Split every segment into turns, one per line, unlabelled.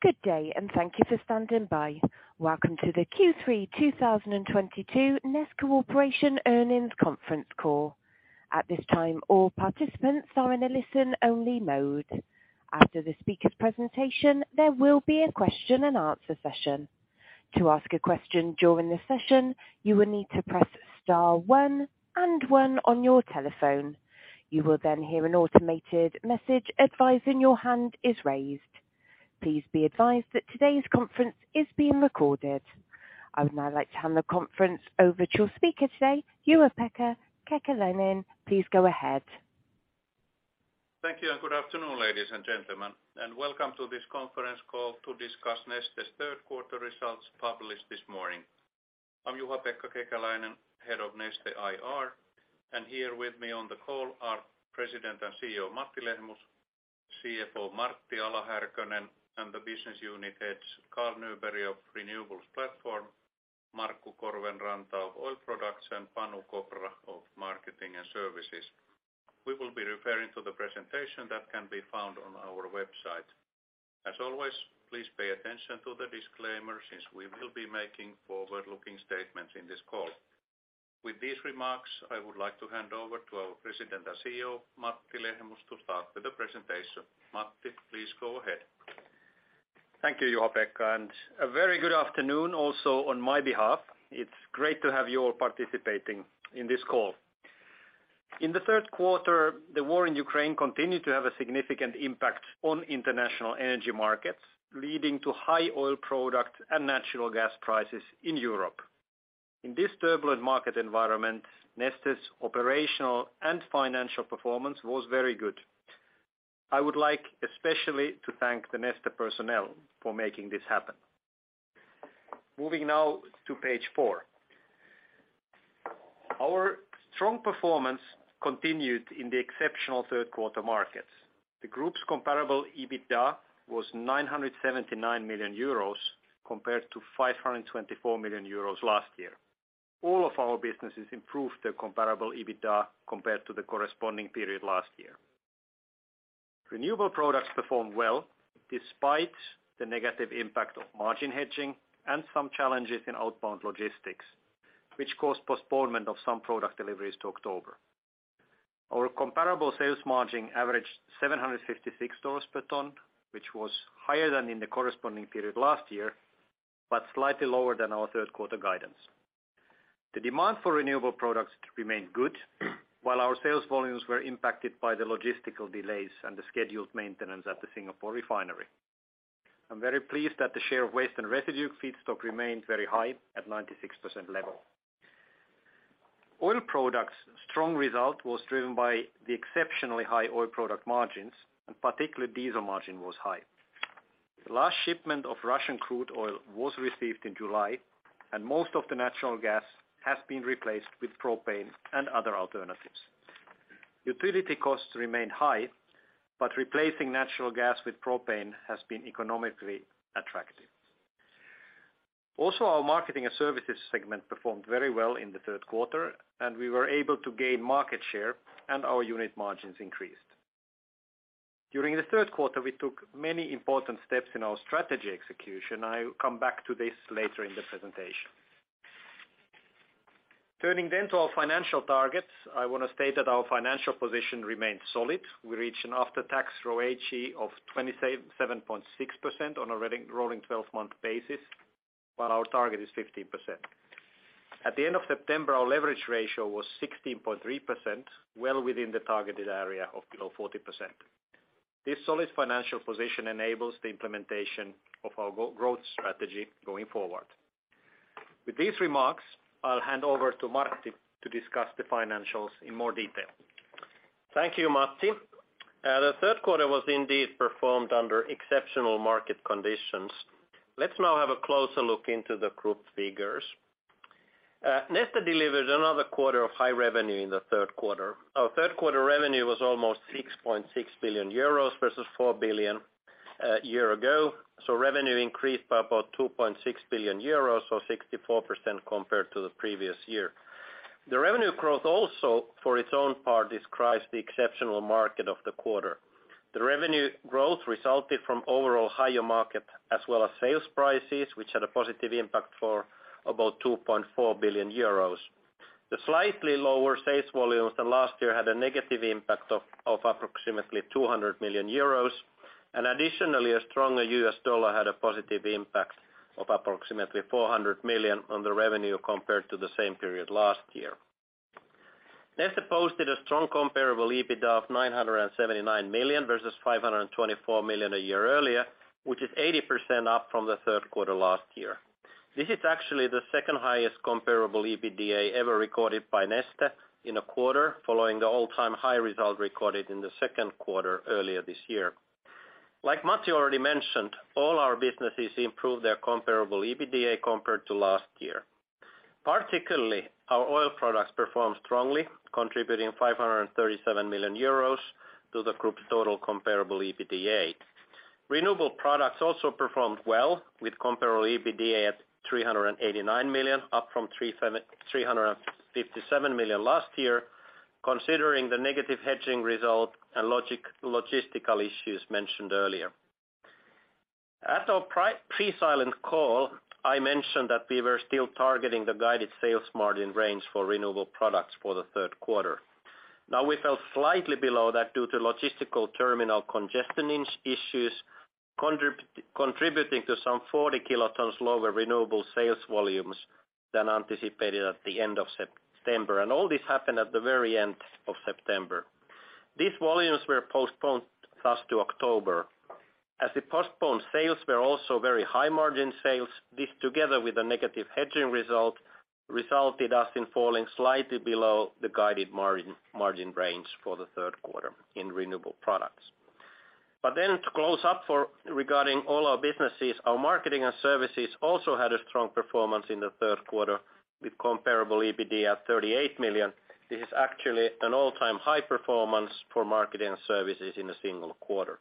Good day, and thank you for standing by. Welcome to the Q3 2022 Neste Corporation earnings conference call. At this time, all participants are in a listen-only mode. After the speaker's presentation, there will be a question and answer session. To ask a question during the session, you will need to press star one and one on your telephone. You will then hear an automated message advising your hand is raised. Please be advised that today's conference is being recorded. I would now like to hand the conference over to your speaker today, Juha-Pekka Kekäläinen. Please go ahead.
Thank you, and good afternoon, ladies and gentlemen, and welcome to this conference call to discuss Neste's third quarter results published this morning. I'm Juha-Pekka Kekäläinen, Head of Neste IR, and here with me on the call are President and CEO Matti Lehmus, CFO Martti Ala-Härkönen, and the Business Unit heads Carl Nyberg of Renewables Platform, Markku Korvenranta of Oil Products, and Panu Kopra of Marketing & Services. We will be referring to the presentation that can be found on our website. As always, please pay attention to the disclaimer since we will be making forward-looking statements in this call. With these remarks, I would like to hand over to our President and CEO, Matti Lehmus, to start with the presentation. Matti, please go ahead.
Thank you, Juha-Pekka, and a very good afternoon also on my behalf. It's great to have you all participating in this call. In the third quarter, the war in Ukraine continued to have a significant impact on international energy markets, leading to high oil product and natural gas prices in Europe. In this turbulent market environment, Neste's operational and financial performance was very good. I would like especially to thank the Neste personnel for making this happen. Moving now to page four. Our strong performance continued in the exceptional third quarter markets. The group's comparable EBITDA was 979 million euros compared to 524 million euros last year. All of our businesses improved their comparable EBITDA compared to the corresponding period last year. Renewable Products performed well despite the negative impact of margin hedging and some challenges in outbound logistics, which caused postponement of some product deliveries to October. Our comparable sales margin averaged $756 per ton, which was higher than in the corresponding period last year, but slightly lower than our third quarter guidance. The demand for Renewable Products remained good while our sales volumes were impacted by the logistical delays and the scheduled maintenance at the Singapore refinery. I'm very pleased that the share of waste and residue feedstock remained very high at 96% level. Oil Products strong result was driven by the exceptionally high oil product margins, and particularly diesel margin was high. The last shipment of Russian crude oil was received in July, and most of the natural gas has been replaced with propane and other alternatives. Utility costs remain high, but replacing natural gas with propane has been economically attractive. Our Marketing & Services segment performed very well in the third quarter, and we were able to gain market share, and our unit margins increased. During the third quarter, we took many important steps in our strategy execution. I will come back to this later in the presentation. Turning to our financial targets, I want to state that our financial position remains solid. We reach an after-tax ROACE of 27.6% on a rolling 12-month basis, while our target is 15%. At the end of September, our leverage ratio was 16.3%, well within the targeted area of below 40%. This solid financial position enables the implementation of our go-growth strategy going forward. With these remarks, I'll hand over to Martti to discuss the financials in more detail.
Thank you, Matti. The third quarter was indeed performed under exceptional market conditions. Let's now have a closer look into the group figures. Neste delivered another quarter of high revenue in the third quarter. Our third quarter revenue was almost 6.6 billion euros versus 4 billion a year ago. Revenue increased by about 2.6 billion euros or 64% compared to the previous year. The revenue growth also, for its own part, describes the exceptional market of the quarter. The revenue growth resulted from overall higher market as well as sales prices, which had a positive impact for about 2.4 billion euros. The slightly lower sales volumes than last year had a negative impact of approximately 200 million euros, and additionally, a stronger U.S. dollar had a positive impact of approximately 400 million on the revenue compared to the same period last year. Neste posted a strong comparable EBITDA of 979 million versus 524 million a year earlier, which is 80% up from the third quarter last year. This is actually the second highest comparable EBITDA ever recorded by Neste in a quarter, following the all-time high result recorded in the second quarter earlier this year. Like Matti already mentioned, all our businesses improved their comparable EBITDA compared to last year. Particularly, our Oil Products performed strongly, contributing 537 million euros to the group's total comparable EBITDA. Renewable Products also performed well with comparable EBITDA at 389 million, up from 357 million last year. Considering the negative hedging result and logistical issues mentioned earlier. At our previous call, I mentioned that we were still targeting the guided sales margin range for Renewable Products for the third quarter. Now, we fell slightly below that due to logistical terminal congestion issues contributing to some 40 kt lower renewable sales volumes than anticipated at the end of September. All this happened at the very end of September. These volumes were postponed thus to October. As the postponed sales were also very high margin sales, this together with a negative hedging result resulted in us falling slightly below the guided margin range for the third quarter in Renewable Products. To close up regarding all our businesses, our Marketing & Services also had a strong performance in the third quarter, with comparable EBITDA at 38 million. This is actually an all-time high performance for Marketing & Services in a single quarter.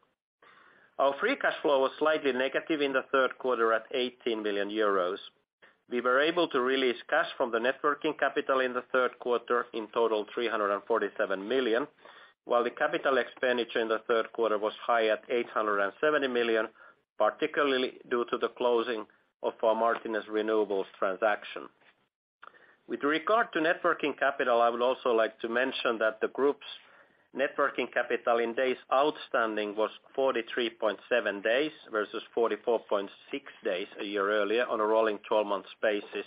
Our free cash flow was slightly negative in the third quarter at 18 million euros. We were able to release cash from the net working capital in the third quarter, in total, 347 million, while the capital expenditure in the third quarter was high at 870 million, particularly due to the closing of our Martinez Renewables transaction. With regard to net working capital, I would also like to mention that the group's net working capital in days outstanding was 43.7 days versus 44.6 days a year earlier on a rolling 12-month basis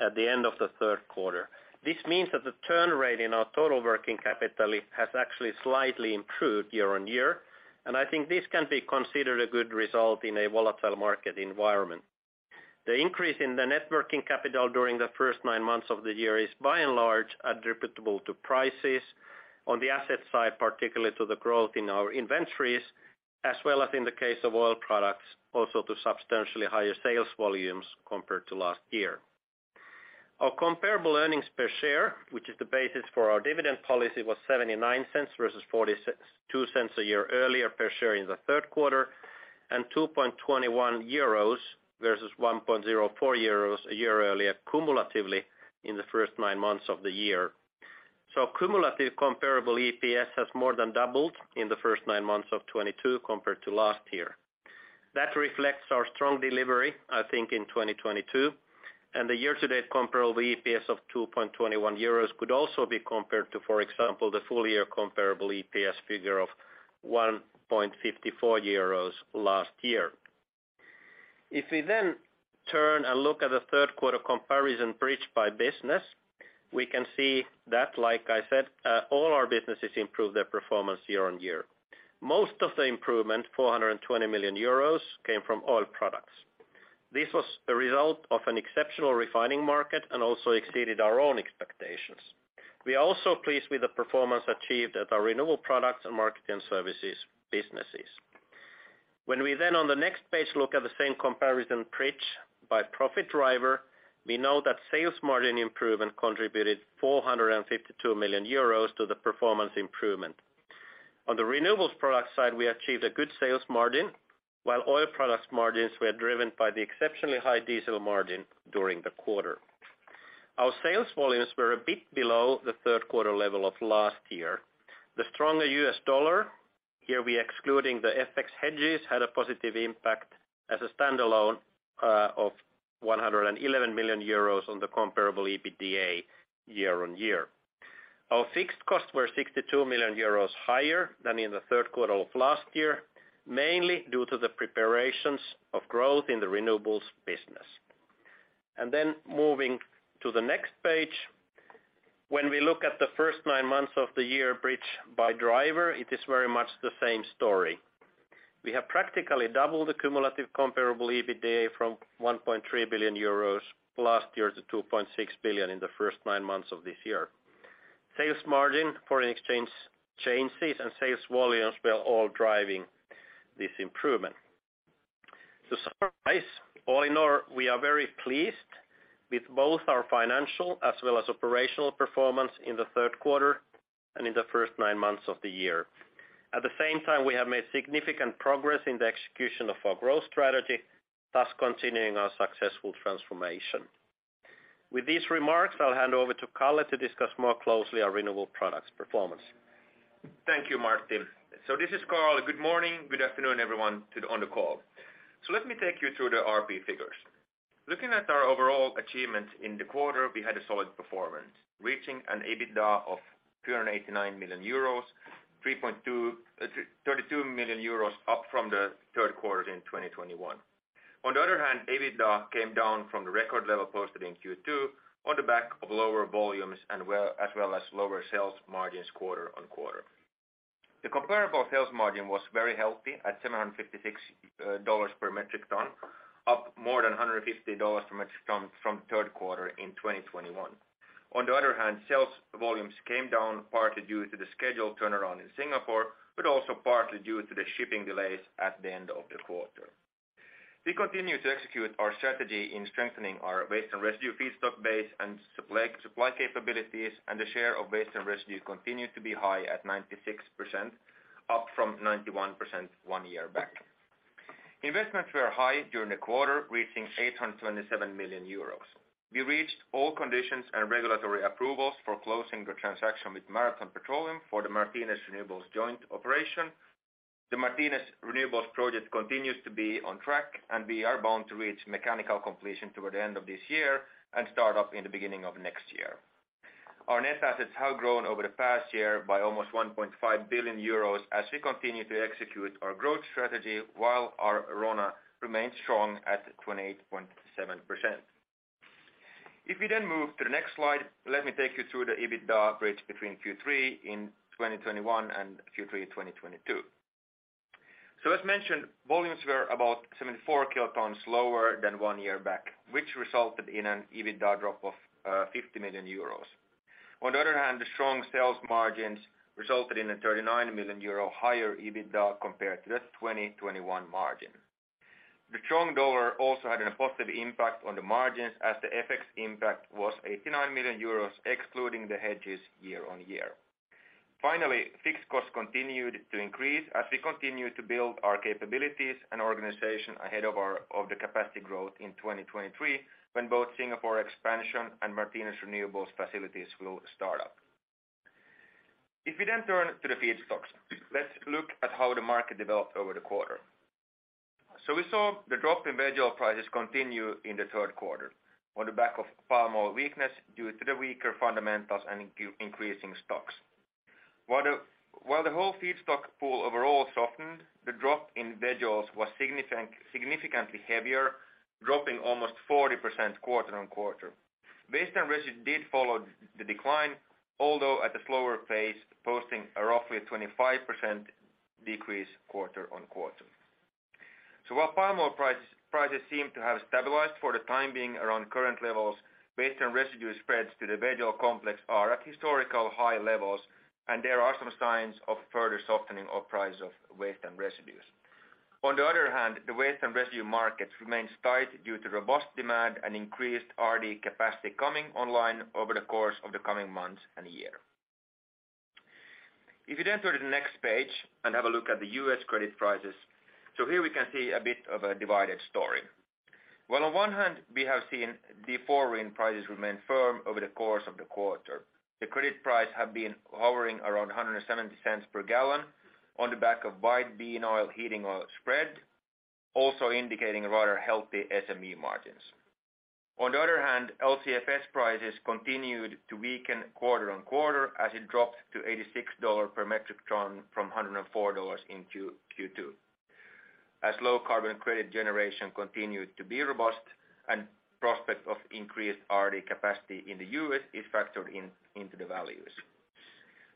at the end of the third quarter. This means that the turn rate in our total working capital, it has actually slightly improved year-on-year, and I think this can be considered a good result in a volatile market environment. The increase in the net working capital during the first nine months of the year is by and large attributable to prices on the asset side, particularly to the growth in our inventories, as well as in the case of Oil Products, also to substantially higher sales volumes compared to last year. Our comparable earnings per share, which is the basis for our dividend policy, was 0.79 versus 0.42 a year earlier per share in the third quarter, and 2.21 euros versus 1.04 euros a year earlier cumulatively in the first nine months of the year. Cumulative comparable EPS has more than doubled in the first nine months of 2022 compared to last year. That reflects our strong delivery, I think, in 2022, and the year-to-date comparable EPS of 2.21 euros could also be compared to, for example, the full year comparable EPS figure of 1.54 euros last year. If we then turn and look at the third quarter comparison bridge by business, we can see that, like I said, all our businesses improved their performance year-on-year. Most of the improvement, 420 million euros, came from Oil Products. This was a result of an exceptional refining market and also exceeded our own expectations. We are also pleased with the performance achieved at our Renewable Products and Marketing & Services businesses. When we then on the next page look at the same comparison bridge by profit driver, we know that sales margin improvement contributed 452 million euros to the performance improvement. On Renewables Products side, we achieved a good sales margin, while Oil Products margins were driven by the exceptionally high diesel margin during the quarter. Our sales volumes were a bit below the third quarter level of last year. The stronger U.S. dollar, here we are excluding the FX hedges, had a positive impact as a stand-alone of 111 million euros on the comparable EBITDA year-on-year. Our fixed costs were 62 million euros higher than in the third quarter of last year, mainly due to the preparations of growth in the renewables business. Moving to the next page, when we look at the first nine months of the year bridge by driver, it is very much the same story. We have practically doubled the cumulative comparable EBITDA from 1.3 billion euros last year to 2.6 billion in the first nine months of this year. Sales margin, foreign exchange changes, and sales volumes were all driving this improvement. To summarize, all in all, we are very pleased with both our financial as well as operational performance in the third quarter and in the first nine months of the year. At the same time, we have made significant progress in the execution of our growth strategy, thus continuing our successful transformation. With these remarks, I'll hand over to Carl to discuss more closely our Renewable Products performance.
Thank you, Martti. This is Carl. Good morning, good afternoon, everyone on the call. Let me take you through the RP figures. Looking at our overall achievements in the quarter, we had a solid performance, reaching an EBITDA of 389 million euros, 332 million euros up from the third quarter in 2021. On the other hand, EBITDA came down from the record level posted in Q2 on the back of lower volumes as well as lower sales margins quarter on quarter. The comparable sales margin was very healthy at $756 per metric ton, up more than $150 per metric ton from third quarter in 2021. On the other hand, sales volumes came down partly due to the scheduled turnaround in Singapore, but also partly due to the shipping delays at the end of the quarter. We continue to execute our strategy in strengthening our waste and residue feedstock base and supply capabilities, and the share of waste and residue continued to be high at 96%, up from 91% one year back. Investments were high during the quarter, reaching 827 million euros. We reached all conditions and regulatory approvals for closing the transaction with Marathon Petroleum for the Martinez Renewables joint operation. The Martinez Renewables project continues to be on track, and we are bound to reach mechanical completion toward the end of this year and start up in the beginning of next year. Our net assets have grown over the past year by almost 1.5 billion euros as we continue to execute our growth strategy while our RONA remains strong at 28.7%. If we then move to the next slide, let me take you through the EBITDA bridge between Q3 in 2021 and Q3 2022. As mentioned, volumes were about 74 kt lower than one year back, which resulted in an EBITDA drop of 50 million euros. On the other hand, the strong sales margins resulted in a 39 million euro higher EBITDA compared to the 2021 margin. The strong dollar also had a positive impact on the margins as the FX impact was 89 million euros, excluding the hedges year on year. Finally, fixed costs continued to increase as we continue to build our capabilities and organization ahead of the capacity growth in 2023, when both Singapore expansion and Martinez Renewables facilities will start up. If we then turn to the feedstocks, let's look at how the market developed over the quarter. We saw the drop in veg oil prices continue in the third quarter on the back of palm oil weakness due to the weaker fundamentals and increasing stocks. While the whole feedstock pool overall softened, the drop in veg oils was significantly heavier, dropping almost 40% quarter on quarter. Waste and residue did follow the decline, although at a slower pace, posting a roughly 25% decrease quarter on quarter. While palm oil prices seem to have stabilized for the time being around current levels, waste and residue spreads to the veg oil complex are at historical high levels, and there are some signs of further softening of price of waste and residues. On the other hand, the waste and residue markets remain tight due to robust demand and increased RD capacity coming online over the course of the coming months and year. If you then turn to the next page and have a look at the U.S. credit prices. Here we can see a bit of a divided story. While on one hand we have seen D4 RIN prices remain firm over the course of the quarter, the credit prices have been hovering around $1.70 per gallon on the back of wide soybean oil/heating oil spread, also indicating a rather healthy SME margins. On the other hand, LCFS prices continued to weaken quarter-over-quarter as it dropped to $86 per metric ton from $104 in Q2, as low carbon credit generation continued to be robust and prospects of increased RD capacity in the U.S. is factored in, into the values.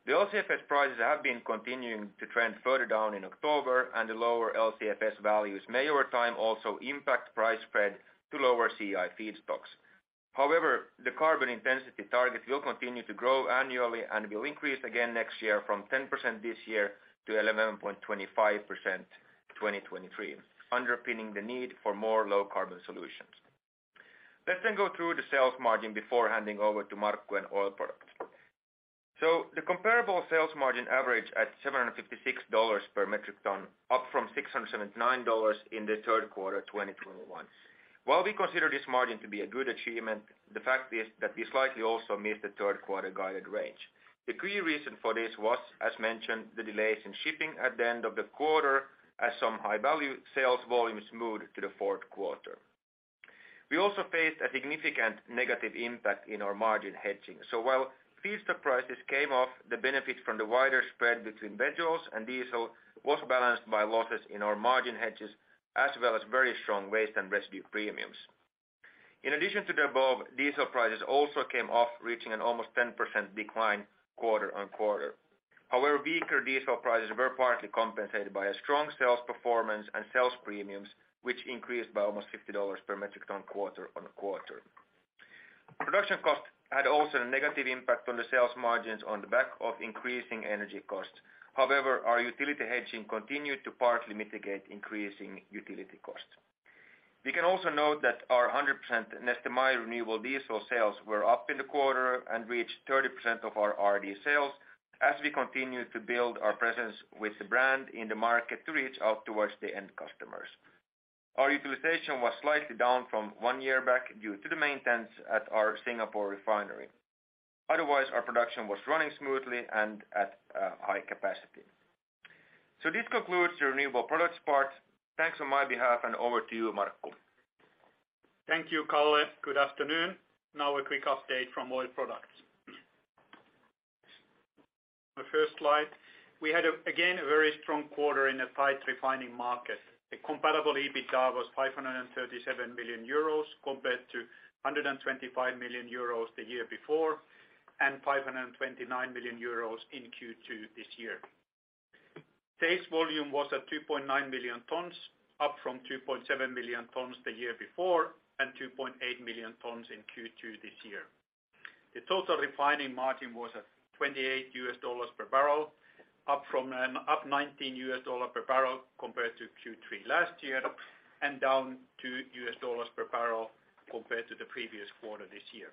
The LCFS prices have been continuing to trend further down in October, and the lower LCFS values may over time also impact price spread to lower CI feedstocks. However, the carbon intensity target will continue to grow annually and will increase again next year from 10% this year to 11.25% 2023, underpinning the need for more low carbon solutions. Let's go through the sales margin before handing over to Markku in Oil Products. The comparable sales margin averaged $756 per metric ton, up from $679 in the third quarter 2021. While we consider this margin to be a good achievement, the fact is that we slightly also missed the third quarter guided range. The key reason for this was, as mentioned, the delays in shipping at the end of the quarter as some high-value sales volumes moved to the fourth quarter. We also faced a significant negative impact in our margin hedging. While feedstock prices came off, the benefits from the wider spread between veg oils and diesel was balanced by losses in our margin hedges, as well as very strong waste and residue premiums. In addition to the above, diesel prices also came off, reaching an almost 10% decline quarter-on-quarter. However, weaker diesel prices were partly compensated by a strong sales performance and sales premiums, which increased by almost $50 per metric ton quarter-over-quarter. Production costs had also a negative impact on the sales margins on the back of increasing energy costs. However, our utility hedging continued to partly mitigate increasing utility costs. We can also note that our 100% Neste MY Renewable Diesel sales were up in the quarter and reached 30% of our RD sales as we continue to build our presence with the brand in the market to reach out towards the end customers. Our utilization was slightly down from one year back due to the maintenance at our Singapore refinery. Otherwise, our production was running smoothly and at high capacity. This concludes the Renewable Products part. Thanks on my behalf and over to you, Markku.
Thank you, Carl. Good afternoon. Now a quick update from Oil Products. The first slide, we had, again, a very strong quarter in a tight refining market. The comparable EBITDA was 537 million euros compared to 125 million euros the year before, and 529 million euros in Q2 this year. Sales volume was at 2.9 million tons, up from 2.7 million tons the year before and 2.8 million tons in Q2 this year. The total refining margin was at $28 per barrel, up $19 per barrel compared to Q3 last year and down $2 per barrel compared to the previous quarter this year.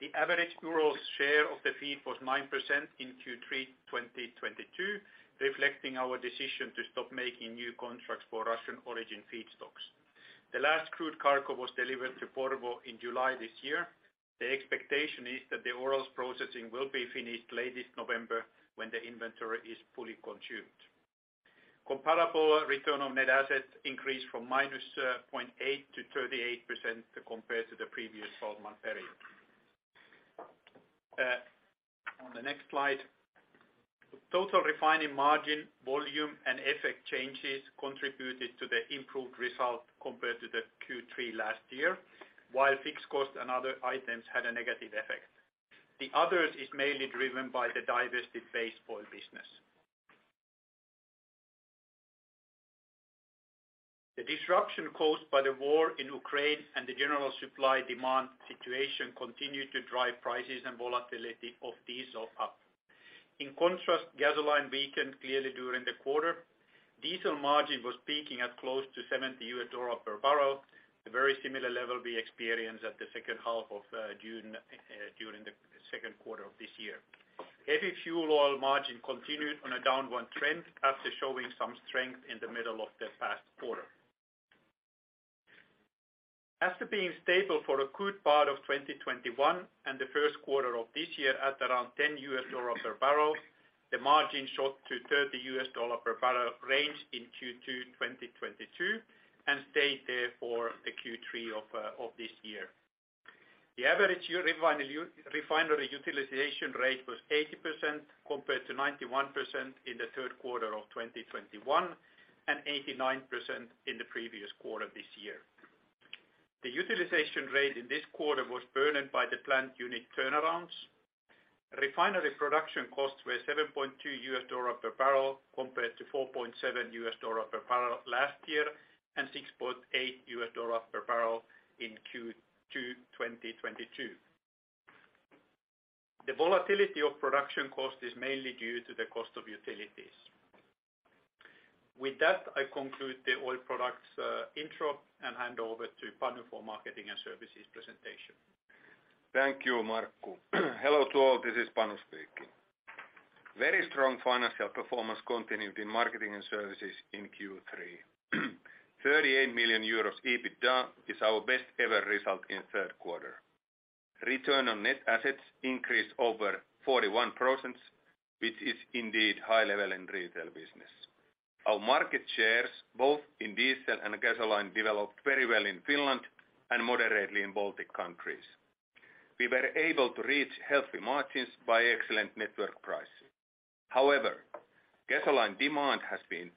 The average gross share of the feed was 9% in Q3 2022, reflecting our decision to stop making new contracts for Russian origin feedstocks. The last crude cargo was delivered to Porvoo in July this year. The expectation is that the oil processing will be finished late this November when the inventory is fully consumed. Comparable return on net assets increased from -0.8% to 38% compared to the previous 12-month period. On the next slide, total refining margin volume and FX changes contributed to the improved result compared to the Q3 last year. While fixed cost and other items had a negative effect. The others is mainly driven by the divested base oil business. The disruption caused by the war in Ukraine and the general supply-demand situation continued to drive prices and volatility of diesel up. In contrast, gasoline weakened clearly during the quarter. Diesel margin was peaking at close to $70 per barrel, a very similar level we experienced at the second half of June during the second quarter of this year. Heavy fuel oil margin continued on a downward trend after showing some strength in the middle of the past quarter. After being stable for a good part of 2021 and the first quarter of this year at around $10 per barrel, the margin shot to $30 per barrel range in Q2 2022, and stayed there for the Q3 of this year. The average our refinery utilization rate was 80% compared to 91% in the third quarter of 2021, and 89% in the previous quarter this year. The utilization rate in this quarter was burdened by the plant unit turnarounds. Refinery production costs were $7.2 per barrel compared to $4.7 per barrel last year, and $6.8 per barrel in Q2, 2022. The volatility of production cost is mainly due to the cost of utilities. With that, I conclude the Oil Products intro and hand over to Panu for Marketing & Services presentation.
Thank you, Markku. Hello to all, this is Panu speaking. Very strong financial performance continued in Marketing & Services in Q3. 38 million euros EBITDA is our best ever result in third quarter. Return on net assets increased over 41%, which is indeed high level in retail business. Our market shares, both in diesel and gasoline, developed very well in Finland and moderately in Baltic countries. We were able to reach healthy margins by excellent network prices. However, gasoline demand has been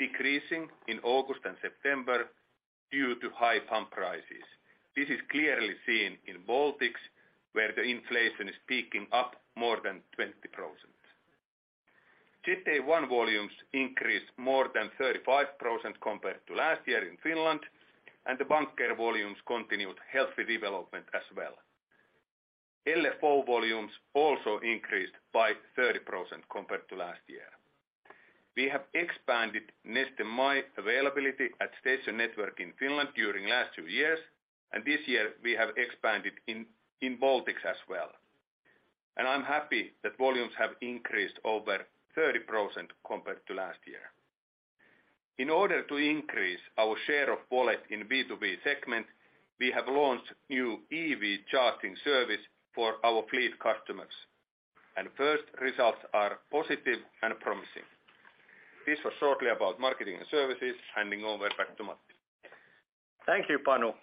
decreasing in August and September due to high pump prices. This is clearly seen in Baltics, where the inflation is picking up more than 20%. Neste MY volumes increased more than 35% compared to last year in Finland, and the bunker volumes continued healthy development as well. LFO volumes also increased by 30% compared to last year. We have expanded Neste MY availability at station network in Finland during last two years, and this year we have expanded in Baltics as well. I'm happy that volumes have increased over 30% compared to last year. In order to increase our share of wallet in B2B segment, we have launched new EV charging service for our fleet customers, and first results are positive and promising. This was shortly about Marketing & Services. Handing over back to Matti.
Thank you, Panu.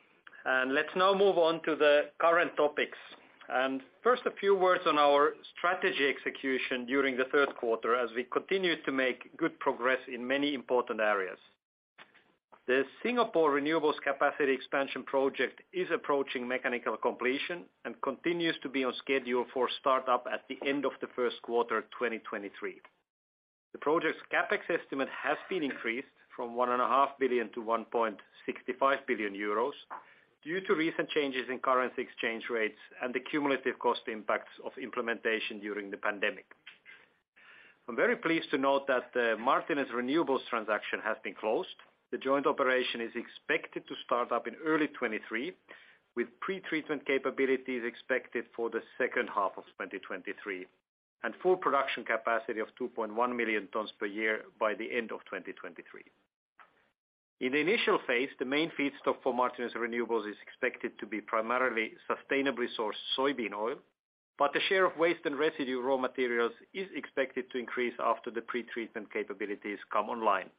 Let's now move on to the current topics. First, a few words on our strategy execution during the third quarter as we continue to make good progress in many important areas. The Singapore renewables capacity expansion project is approaching mechanical completion and continues to be on schedule for startup at the end of the first quarter, 2023. The project's CapEx estimate has been increased from 1.5 billion to 1.65 billion euros due to recent changes in currency exchange rates and the cumulative cost impacts of implementation during the pandemic. I'm very pleased to note that the Martinez Renewables transaction has been closed. The joint operation is expected to start up in early 2023, with pretreatment capabilities expected for the second half of 2023, and full production capacity of 2.1 million tons per year by the end of 2023. In the initial phase, the main feedstock for Martinez Renewables is expected to be primarily sustainably sourced soybean oil, but the share of waste and residue raw materials is expected to increase after the pretreatment capabilities come online.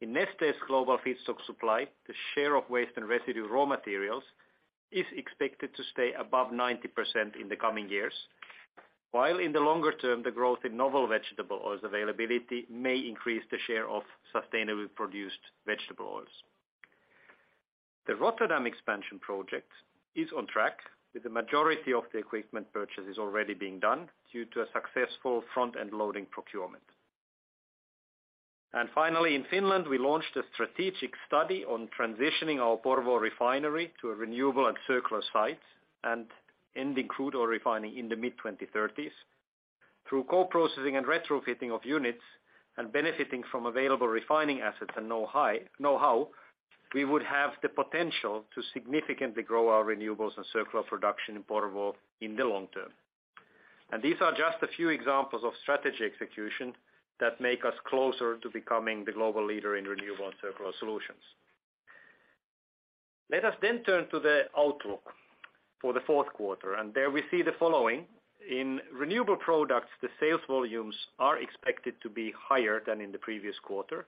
In Neste's global feedstock supply, the share of waste and residue raw materials is expected to stay above 90% in the coming years, while in the longer term, the growth in novel vegetable oils availability may increase the share of sustainably produced vegetable oils. The Rotterdam expansion project is on track, with the majority of the equipment purchases already being done due to a successful front-end loading procurement. Finally, in Finland, we launched a strategic study on transitioning our Porvoo refinery to a renewable and circular site and ending crude oil refining in the mid-2030s. Through co-processing and retrofitting of units and benefiting from available refining assets and know-how, we would have the potential to significantly grow our renewables and circular production in Porvoo in the long term. These are just a few examples of strategy execution that make us closer to becoming the global leader in renewable and circular solutions. Let us then turn to the outlook for the fourth quarter, and there we see the following. In Renewable Products, the sales volumes are expected to be higher than in the previous quarter.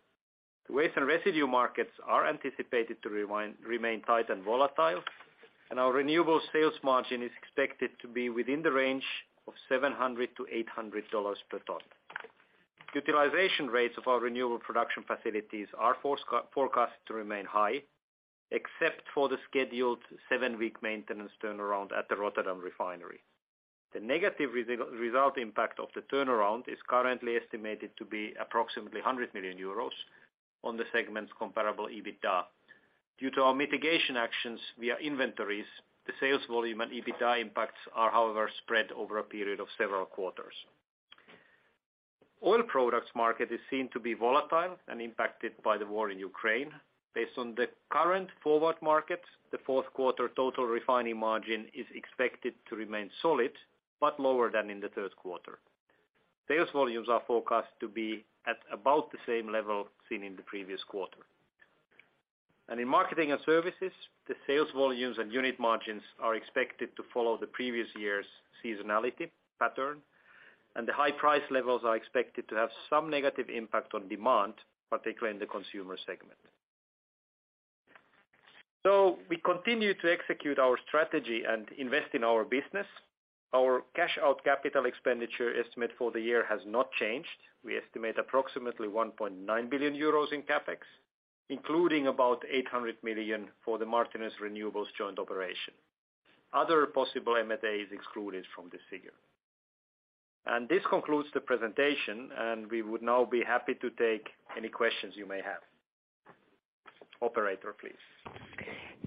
The waste and residue markets are anticipated to remain tight and volatile, and our renewable sales margin is expected to be within the range of $700-$800 per ton. Utilization rates of our renewable production facilities are forecast to remain high, except for the scheduled seven-week maintenance turnaround at the Rotterdam refinery. The negative result impact of the turnaround is currently estimated to be approximately 100 million euros on the segment's comparable EBITDA. Due to our mitigation actions via inventories, the sales volume and EBITDA impacts are, however, spread over a period of several quarters. Oil Products market is seen to be volatile and impacted by the war in Ukraine. Based on the current forward market, the fourth quarter total refining margin is expected to remain solid but lower than in the third quarter. Sales volumes are forecast to be at about the same level seen in the previous quarter. In Marketing & Services, the sales volumes and unit margins are expected to follow the previous year's seasonality pattern, and the high price levels are expected to have some negative impact on demand, particularly in the Consumer segment. We continue to execute our strategy and invest in our business. Our cash-out capital expenditure estimate for the year has not changed. We estimate approximately 1.9 billion euros in CapEx, including about 800 million for the Martinez Renewables joint operation. Other possible M&A is excluded from this figure. This concludes the presentation, and we would now be happy to take any questions you may have. Operator, please.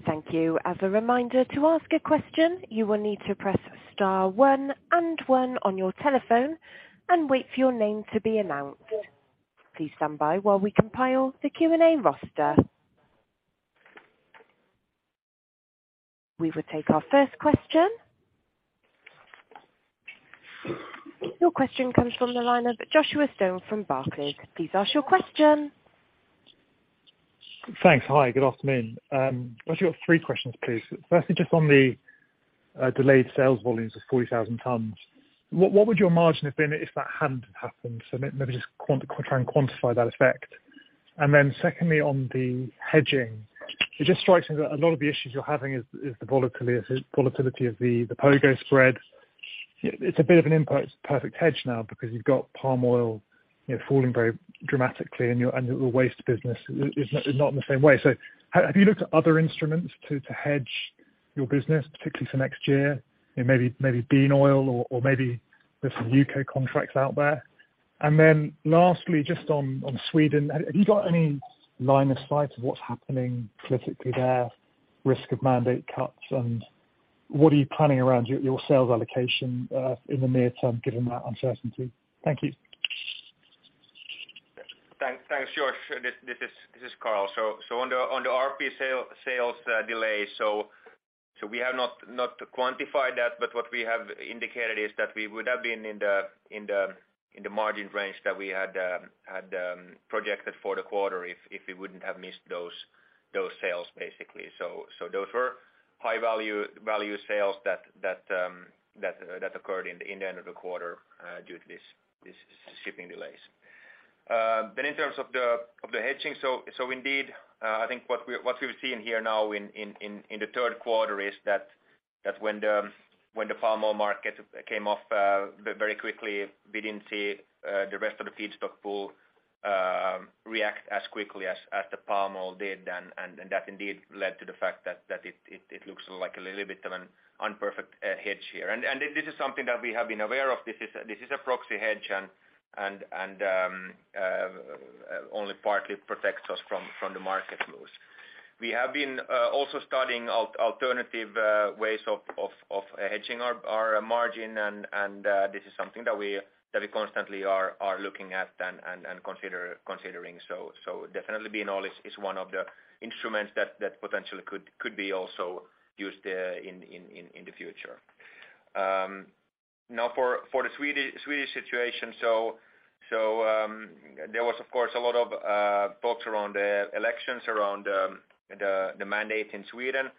Thank you. As a reminder, to ask a question, you will need to press star one and one on your telephone and wait for your name to be announced. Please stand by while we compile the Q&A roster. We will take our first question. Your question comes from the line of Joshua Stone from Barclays. Please ask your question.
Thanks. Hi, good afternoon. I've actually got three questions, please. Firstly, just on the delayed sales volumes of 40,000 tons. What would your margin have been if that hadn't have happened? So maybe just try and quantify that effect. And then secondly, on the hedging, it just strikes me that a lot of the issues you're having is the volatility of the POGO spread. It's a bit of an imperfect hedge now because you've got palm oil, you know, falling very dramatically and your waste business is not in the same way. Have you looked at other instruments to hedge your business, particularly for next year? You know, maybe bean oil or maybe there's some UK contracts out there. Then lastly, just on Sweden, have you got any line of sight of what's happening politically there, risk of mandate cuts? What are you planning around your sales allocation in the near term, given that uncertainty? Thank you.
Thanks, Josh. This is Carl. On the RP sales delay, we have not quantified that, but what we have indicated is that we would have been in the margin range that we had projected for the quarter if we wouldn't have missed those sales basically. Those were high value sales that occurred in the end of the quarter due to this shipping delays. In terms of the hedging, indeed, I think what we're seeing here now in the third quarter is that when the palm oil market came off very quickly, we didn't see the rest of the feedstock pool react as quickly as the palm oil did. That indeed led to the fact that it looks like a little bit of an imperfect hedge here. This is something that we have been aware of. This is a proxy hedge and only partly protects us from the market moves. We have been also studying alternative ways of hedging our margin, and this is something that we constantly are looking at and considering. Definitely bean oil is one of the instruments that potentially could be also used in the future. Now for the Swedish situation, there was of course a lot of talk around the elections, around the mandate in Sweden.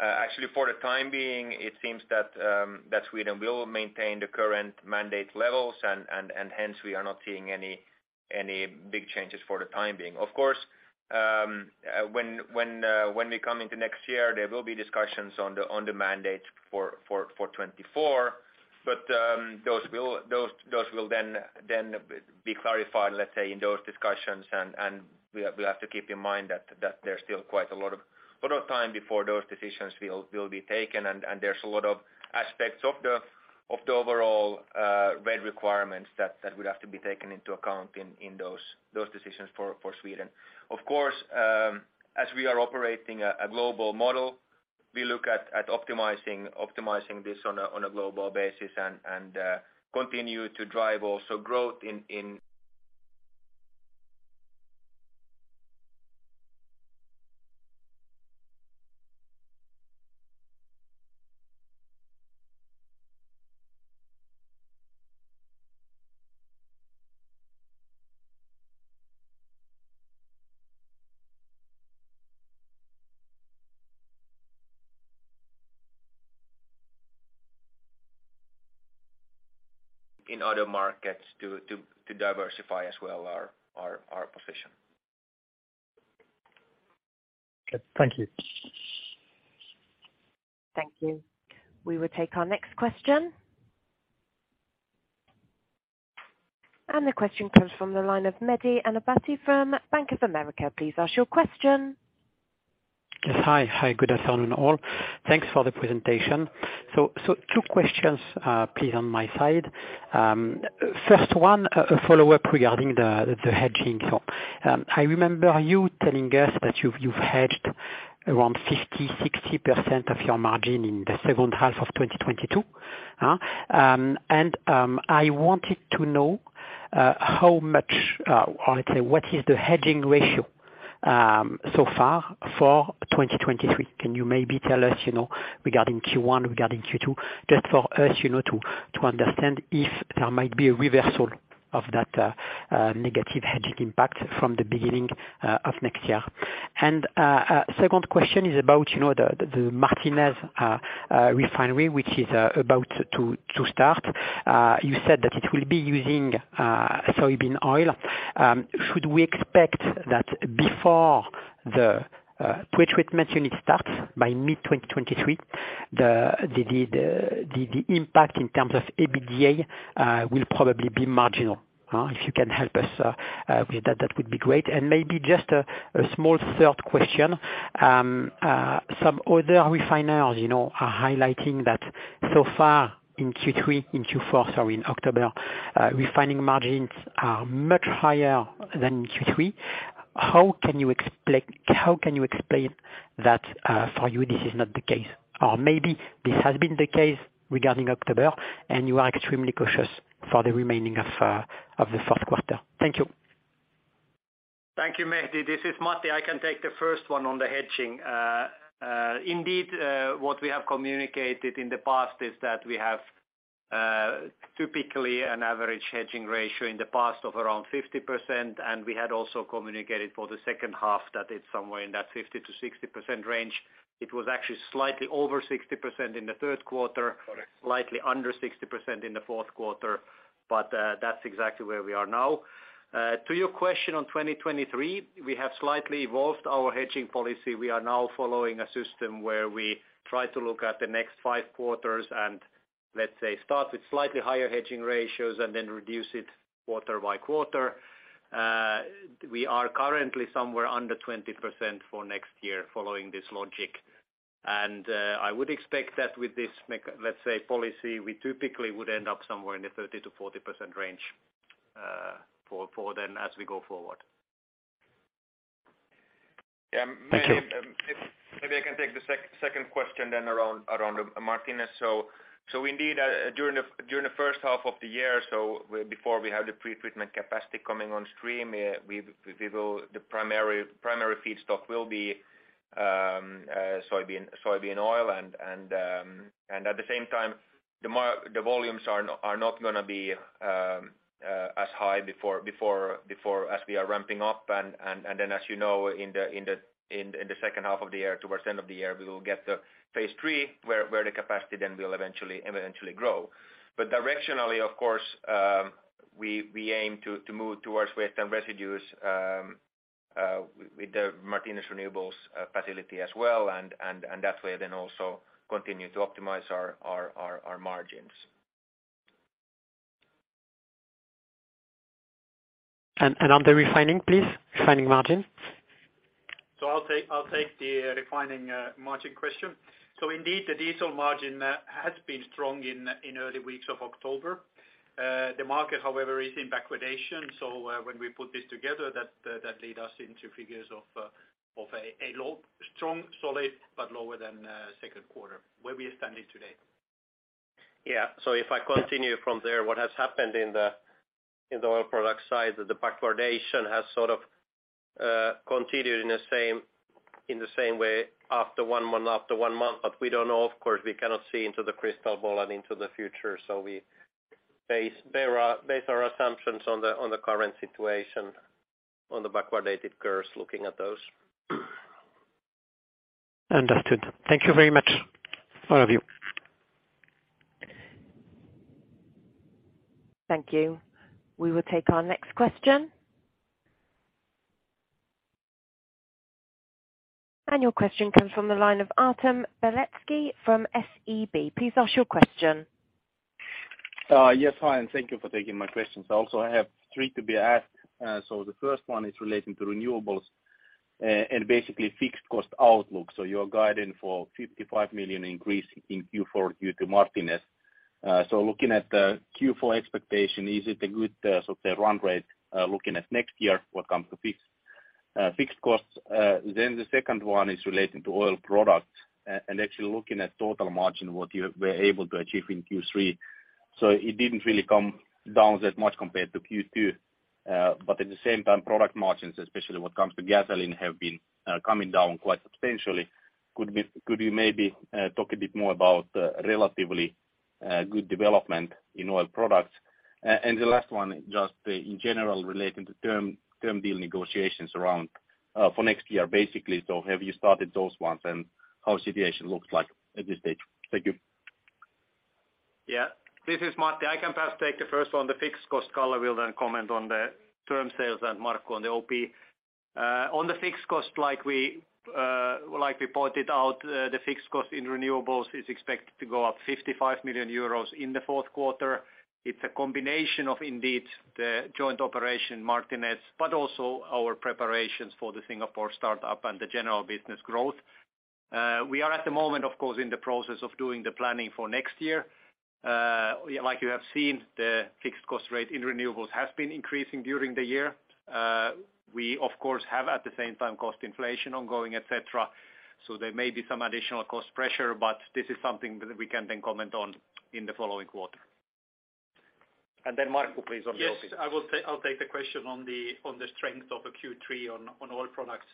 Actually, for the time being, it seems that Sweden will maintain the current mandate levels and hence we are not seeing any big changes for the time being. Of course, when we come into next year, there will be discussions on the mandate for 2024, but those will then be clarified, let's say, in those discussions. We have to keep in mind that there's still quite a lot of time before those decisions will be taken. There's a lot of aspects of the overall RED requirements that would have to be taken into account in those decisions for Sweden. Of course, as we are operating a global model. We look at optimizing this on a global basis and continue to drive also growth in other markets to diversify as well our position.
Okay. Thank you.
Thank you. We will take our next question. The question comes from the line of Mehdi Ennebati from Bank of America. Please ask your question.
Yes. Hi. Hi, good afternoon all. Thanks for the presentation. Two questions, please, on my side. First one, a follow-up regarding the hedging. I remember you telling us that you've hedged around 50%-60% of your margin in the second half of 2022. I wanted to know how much, or let's say, what is the hedging ratio so far for 2023. Can you maybe tell us, you know, regarding Q1, regarding Q2, just for us, you know, to understand if there might be a reversal of that negative hedging impact from the beginning of next year. Second question is about, you know, the Martinez refinery, which is about to start. You said that it will be using soybean oil. Should we expect that before the pretreatment unit starts by mid-2023, the impact in terms of EBITDA will probably be marginal? If you can help us with that would be great. Maybe just a small third question. Some other refiners, you know, are highlighting that so far in Q3, in Q4, sorry, in October, refining margins are much higher than in Q3. How can you explain that for you this is not the case? Or maybe this has been the case regarding October, and you are extremely cautious for the remaining of the fourth quarter. Thank you.
Thank you, Mehdi. This is Matti. I can take the first one on the hedging. Indeed, what we have communicated in the past is that we have typically an average hedging ratio in the past of around 50%, and we had also communicated for the second half that it's somewhere in that 50%-60% range. It was actually slightly over 60% in the third quarter.
Correct.
Slightly under 60% in the fourth quarter. That's exactly where we are now. To your question on 2023, we have slightly evolved our hedging policy. We are now following a system where we try to look at the next five quarters and let's say start with slightly higher hedging ratios and then reduce it quarter by quarter. We are currently somewhere under 20% for next year following this logic. I would expect that with this let's say, policy, we typically would end up somewhere in the 30%-40% range, for then as we go forward.
Thank you.
Yeah, maybe, if maybe I can take the second question then around Martinez. Indeed, during the first half of the year, before we have the pretreatment capacity coming on stream, we will. The primary feedstock will be soybean oil. At the same time, the volumes are not gonna be as high before as we are ramping up. As you know, in the second half of the year, towards the end of the year, we will get the phase three where the capacity then will eventually grow. Directionally, of course, we aim to move towards waste and residues with the Martinez Renewables facility as well. That way then also continue to optimize our margins.
On the refining, please. Refining margin.
I'll take the refining margin question. Indeed, the diesel margin has been strong in early weeks of October. The market, however, is in backwardation. When we put this together, that led us into figures of a low, strong, solid, but lower than second quarter where we are standing today.
Yeah. If I continue from there, what has happened in the Oil Products side, the backwardation has sort of continued in the same way after one month. We don't know. Of course, we cannot see into the crystal ball and into the future. We base our assumptions on the current situation, on the backwardated curves, looking at those.
Understood. Thank you very much, all of you.
Thank you. We will take our next question. Your question comes from the line of Artem Beletski from SEB. Please ask your question.
Yes. Hi, and thank you for taking my questions. Also, I have three to be asked. The first one is relating to Renewables, and basically fixed cost outlook. Your guidance for 55 million increase in Q4 due to Martinez. Looking at the Q4 expectation, is it a good sort of run rate looking at next year when it comes to fixed costs? The second one is relating to Oil Products and actually looking at total margin, what you were able to achieve in Q3. It didn't really come down that much compared to Q2. At the same time, product margins, especially when it comes to gasoline, have been coming down quite substantially. Could you maybe talk a bit more about the relatively good development in Oil Products? the last one, just in general relating to term deal negotiations around for next year, basically. Have you started those ones and how situation looks like at this stage? Thank you.
Yeah. This is Matti. I can perhaps take the first one, the fixed cost. Carl will then comment on the term sales and Markku on the OP. On the fixed cost, like we pointed out, the fixed cost in renewables is expected to go up 55 million euros in the fourth quarter. It's a combination of indeed the joint Martinez Renewables, but also our preparations for the Singapore startup and the general business growth. We are at the moment, of course, in the process of doing the planning for next year. Like you have seen, the fixed cost rate in renewables has been increasing during the year. We of course have at the same time cost inflation ongoing, et cetera. There may be some additional cost pressure, but this is something that we can then comment on in the following quarter. Markku, please on the OP.
I'll take the question on the strength of a Q3 on Oil Products.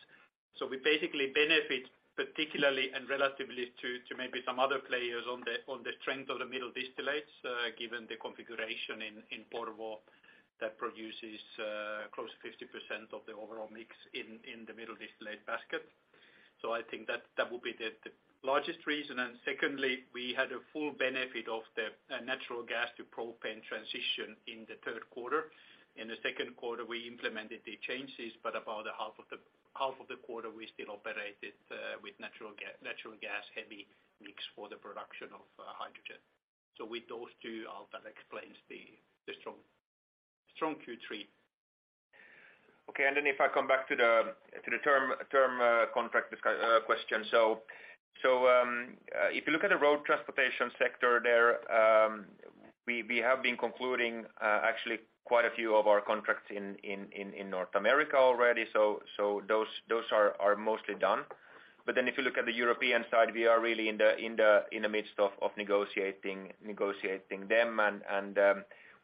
We basically benefit particularly and relatively to maybe some other players on the strength of the middle distillates, given the configuration in Porvoo that produces close to 50% of the overall mix in the middle distillate basket. I think that will be the largest reason. Secondly, we had a full benefit of the natural gas to propane transition in the third quarter. In the second quarter, we implemented the changes, but about a half of the quarter we still operated with natural gas heavy mix for the production of hydrogen. With those two, that explains the strong Q3.
If I come back to the term contract discussion question. If you look at the road transportation sector there, we have been concluding actually quite a few of our contracts in North America already. Those are mostly done. If you look at the European side, we are really in the midst of negotiating them.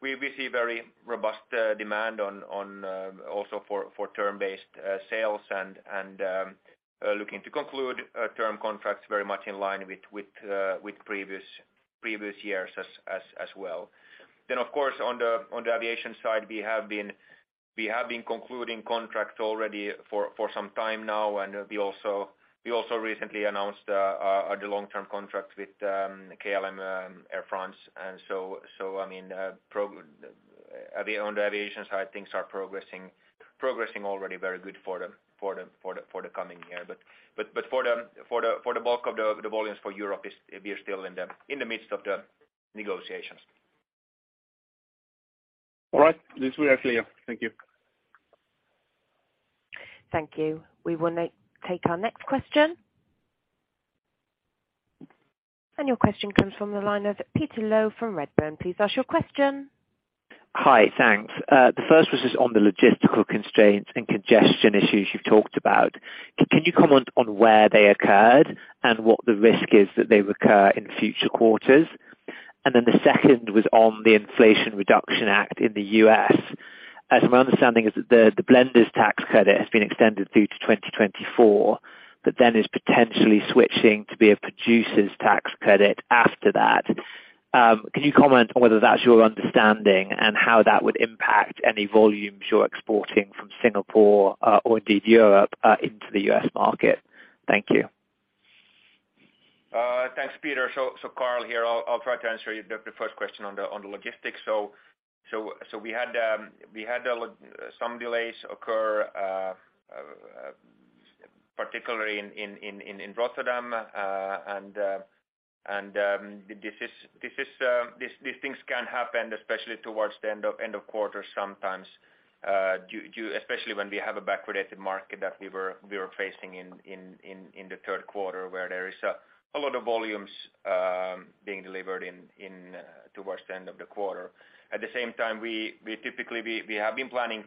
We see very robust demand also for term-based sales and looking to conclude term contracts very much in line with previous years as well. Of course, on the aviation side, we have been concluding contracts already for some time now. We also recently announced the long-term contract with Air France-KLM. I mean, on the aviation side, things are progressing already very good for the coming year. For the bulk of the volumes for Europe is we are still in the midst of the negotiations.
All right. This way it's clear. Thank you.
Thank you. We will now take our next question. Your question comes from the line of Peter Low from Redburn. Please ask your question.
Hi. Thanks. The first was just on the logistical constraints and congestion issues you've talked about. Can you comment on where they occurred and what the risk is that they recur in future quarters? The second was on the Inflation Reduction Act in the U.S. As my understanding is the blender's tax credit has been extended through to 2024, but then is potentially switching to be a producer's tax credit after that. Can you comment on whether that's your understanding and how that would impact any volumes you're exporting from Singapore, or indeed Europe, into the U.S. market? Thank you.
Thanks, Peter. Carl here. I'll try to answer the first question on the logistics. We had some delays occur particularly in Rotterdam. And these things can happen especially towards the end of quarter sometimes especially when we have a backwardated market that we were facing in the third quarter where there is a lot of volumes being delivered towards the end of the quarter. At the same time, we typically have been planning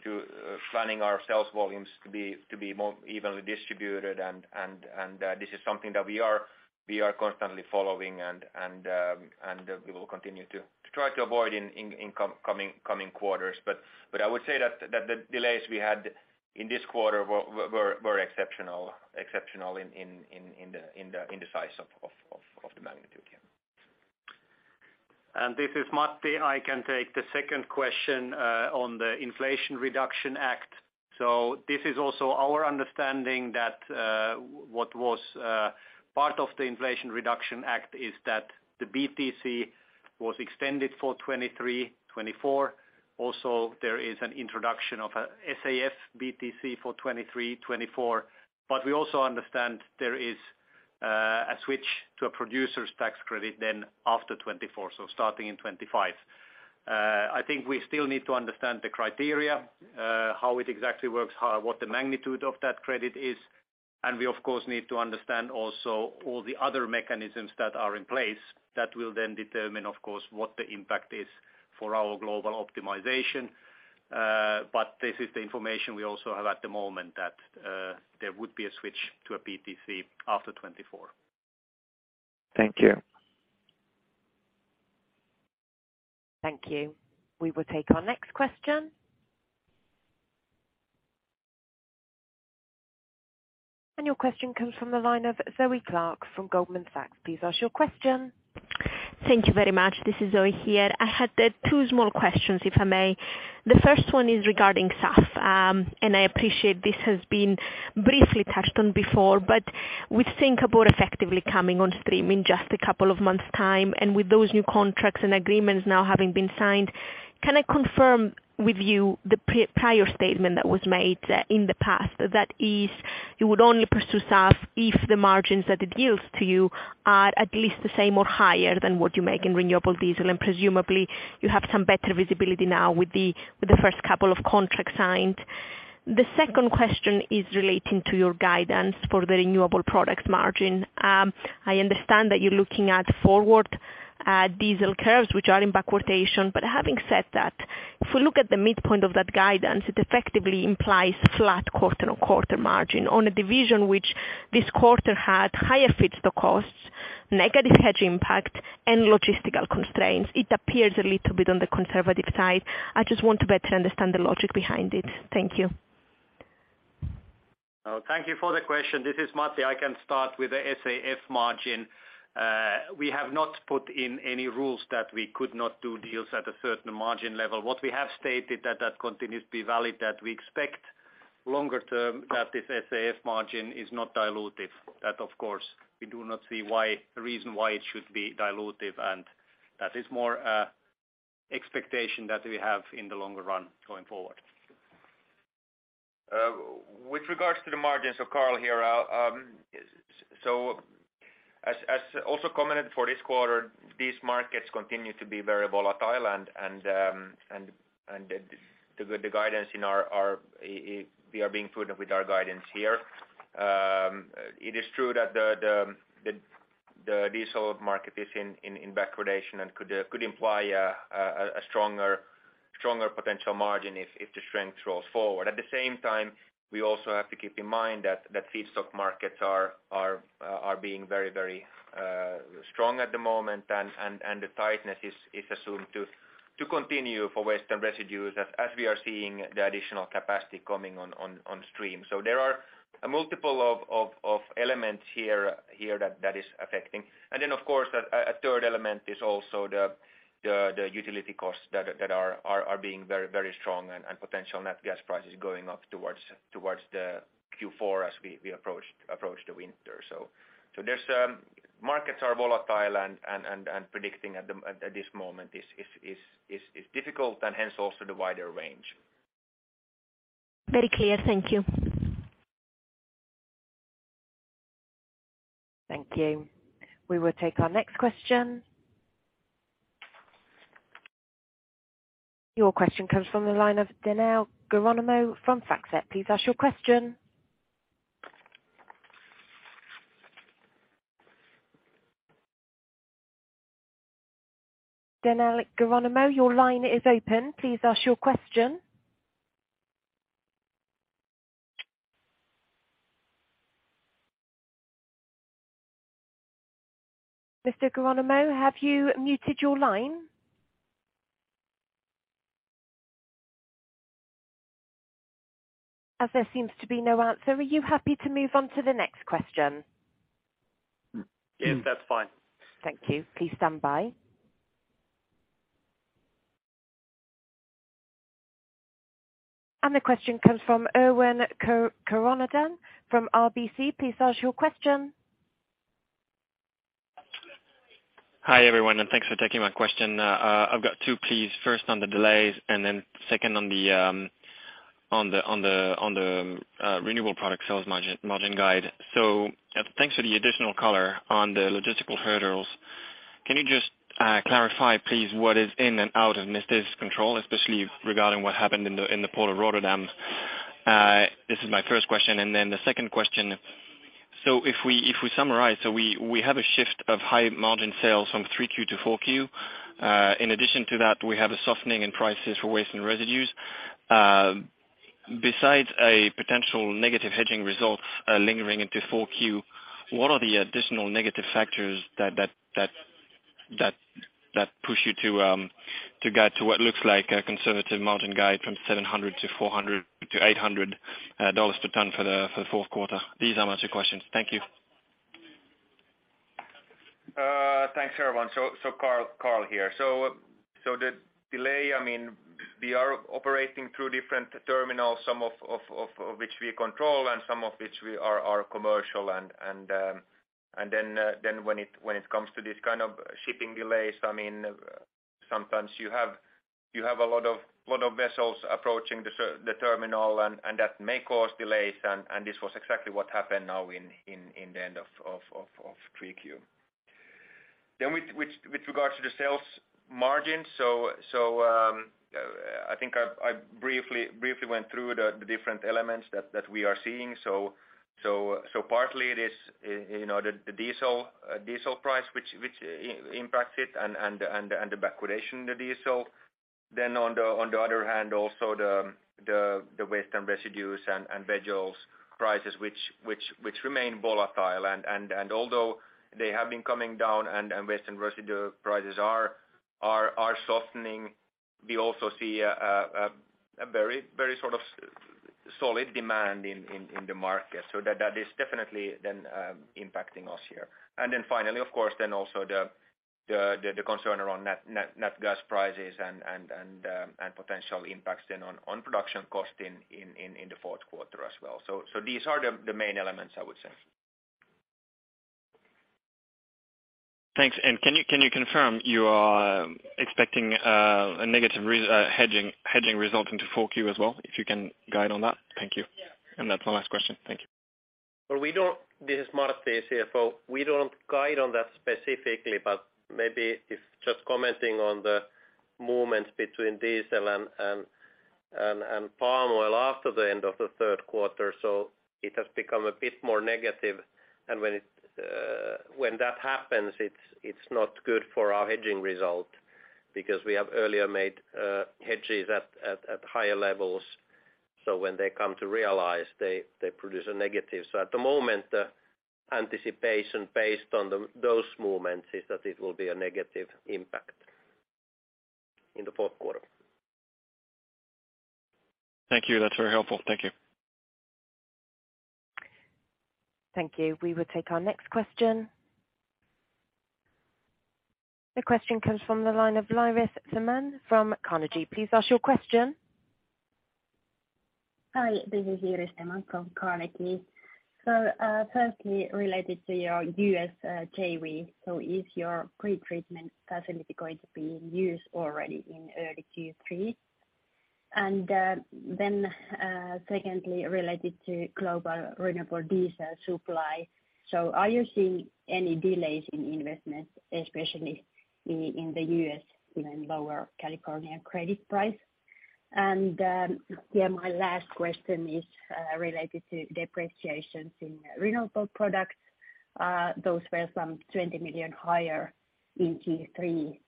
our sales volumes to be more evenly distributed. This is something that we are constantly following and we will continue to try to avoid in coming quarters. I would say that the delays we had in this quarter were exceptional in the size of the magnitude, yeah.
This is Matti. I can take the second question on the Inflation Reduction Act. This is also our understanding that what was part of the Inflation Reduction Act is that the BTC was extended for 2023, 2024. Also, there is an introduction of a SAF BTC for 2023, 2024. But we also understand there is a switch to a producer's tax credit then after 2024, so starting in 2025. I think we still need to understand the criteria how it exactly works what the magnitude of that credit is. We of course need to understand also all the other mechanisms that are in place that will then determine, of course, what the impact is for our global optimization. This is the information we also have at the moment that there would be a switch to a PTC after 2024.
Thank you.
Thank you. We will take our next question. Your question comes from the line of Zoe Clarke from Goldman Sachs. Please ask your question.
Thank you very much. This is Zoe here. I had two small questions, if I may. The first one is regarding SAF. I appreciate this has been briefly touched on before, but with Singapore effectively coming on stream in just a couple of months time, and with those new contracts and agreements now having been signed, can I confirm with you the prior statement that was made in the past? That is, you would only pursue SAF if the margins that it yields to you are at least the same or higher than what you make in renewable diesel, and presumably you have some better visibility now with the first couple of contracts signed. The second question is relating to your guidance for the renewable product margin. I understand that you're looking at forward diesel curves, which are in backwardation, but having said that, if we look at the midpoint of that guidance, it effectively implies flat quarter-on-quarter margin on a division which this quarter had higher feedstock costs, negative hedge impact and logistical constraints. It appears a little bit on the conservative side. I just want to better understand the logic behind it. Thank you.
Oh, thank you for the question. This is Matti. I can start with the SAF margin. We have not put in any rules that we could not do deals at a certain margin level. What we have stated that continues to be valid, that we expect longer term that this SAF margin is not dilutive. That of course we do not see why the reason why it should be dilutive, and that is more expectation that we have in the longer run going forward.
With regards to the margins. Carl here. As also commented for this quarter, these markets continue to be very volatile and we are being prudent with our guidance here. It is true that the diesel market is in backwardation and could imply a stronger potential margin if the strength rolls forward. At the same time, we also have to keep in mind that feedstock markets are being very strong at the moment. The tightness is assumed to continue for waste and residues as we are seeing the additional capacity coming on stream. There are a multitude of elements here that is affecting. Of course, a third element is also the utility costs that are being very strong and potential net gas prices going up towards the Q4 as we approach the winter. Markets are volatile and predicting at this moment is difficult and hence also the wider range.
Very clear. Thank you.
Thank you. We will take our next question. Your question comes from the line of Maria Geronimo from FactSet. Please ask your question. Maria Geronimo, your line is open. Please ask your question. Ms. Geronimo, have you muted your line? As there seems to be no answer, are you happy to move on to the next question?
Yes, that's fine.
Thank you. Please stand by. The question comes from Erwan Kerouredan from RBC. Please ask your question.
Hi, everyone, and thanks for taking my question. I've got two, please. First on the delays and then second on the renewable product sales margin guide. Thanks for the additional color on the logistical hurdles. Can you just clarify please what is in and out of Neste's control, especially regarding what happened in the port of Rotterdam? This is my first question. Then the second question: If we summarize, we have a shift of high margin sales from Q3-Q4. In addition to that, we have a softening in prices for waste and residues. Besides a potential negative hedging result lingering into Q4, what are the additional negative factors that push you to guide to what looks like a conservative margin guide from $700 to $400 to $800 per ton for the fourth quarter? These are my two questions. Thank you.
Thanks, Erwan. Carl here. The delay, I mean, we are operating through different terminals, some of which we control and some of which we are commercial. When it comes to these kind of shipping delays, I mean, sometimes you have a lot of vessels approaching the terminal, and that may cause delays. This was exactly what happened now in the end of Q3. With regards to the sales margin. I think I briefly went through the different elements that we are seeing. Partly it is, you know, the diesel price, which impacts it and the backwardation in the diesel. Then on the other hand, also the waste and residues and veg oils prices which remain volatile. Although they have been coming down and waste and residue prices are softening, we also see a very sort of solid demand in the market. That is definitely impacting us here. Finally, of course, also the concern around natural gas prices and potential impacts then on production cost in the fourth quarter as well. These are the main elements I would say.
Thanks. Can you confirm you are expecting a negative hedging result into Q4 as well, if you can guide on that? Thank you.
Yeah.
That's my last question. Thank you.
Well, this is Martti, CFO. We don't guide on that specifically, but maybe just commenting on the movements between diesel and palm oil after the end of the third quarter. It has become a bit more negative. When that happens, it's not good for our hedging result because we have earlier made hedges at higher levels. When they come to realize, they produce a negative. At the moment, the anticipation based on those movements is that it will be a negative impact in the fourth quarter.
Thank you. That's very helpful. Thank you.
Thank you. We will take our next question. The question comes from the line of Loris Simon from Carnegie. Please ask your question.
Hi, this is Loris Simon from Carnegie. Firstly, related to your U.S. JV. Is your pretreatment facility going to be in use already in early Q3? Secondly, related to global renewable diesel supply. Are you seeing any delays in investment, especially in the U.S. given lower California credit price? My last question is related to depreciations in Renewable Products. Those were some 20 million higher in Q3.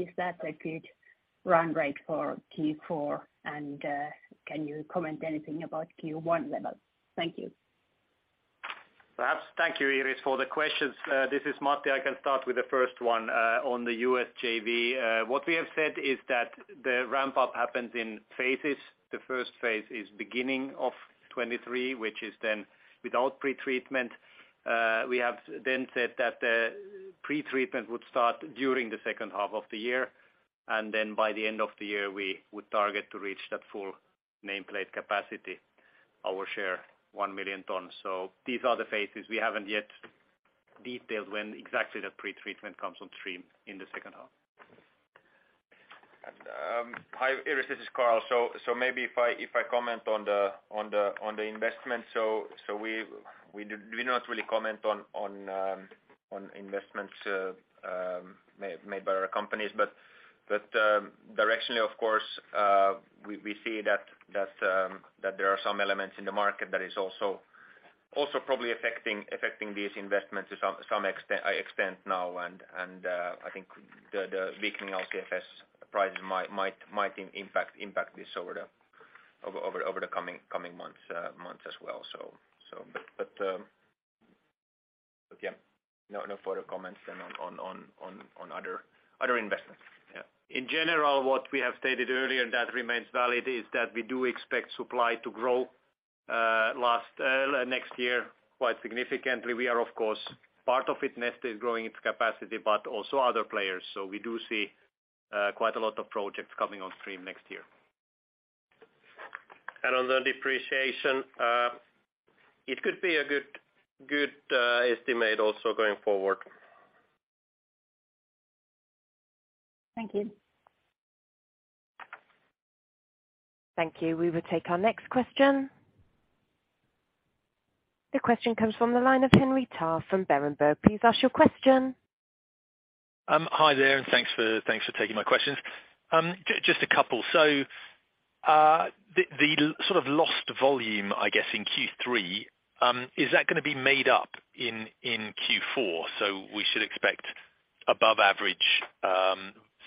Is that a good run rate for Q4? Can you comment anything about Q1 levels? Thank you.
Perhaps, thank you, Loris, for the questions. This is Martti. I can start with the first one, on the U.S. JV. What we have said is that the ramp up happens in phases. The first phase is beginning of 2023, which is then without pretreatment. We have then said that the pretreatment would start during the second half of the year, and then by the end of the year, we would target to reach that full nameplate capacity. Our share 1 million tons. These are the phases we haven't yet detailed when exactly the pretreatment comes on stream in the second half. Hi, Loris, this is Carl. Maybe if I comment on the investment.
We do not really comment on investments made by our companies. Directionally of course, we see that there are some elements in the market that is also probably affecting these investments to some extent now. I think the weakening LCFS prices might impact this over the coming months as well. But yeah, no further comments then on other investments. Yeah. In general, what we have stated earlier that remains valid is that we do expect supply to grow next year quite significantly. We are of course part of it. Neste is growing its capacity, but also other players. We do see quite a lot of projects coming on stream next year. On the depreciation, it could be a good estimate also going forward.
Thank you.
Thank you. We will take our next question. The question comes from the line of Henry Tarr from Berenberg. Please ask your question.
Hi there, and thanks for taking my questions. Just a couple. The sort of lost volume, I guess, in Q3, is that gonna be made up in Q4? We should expect above average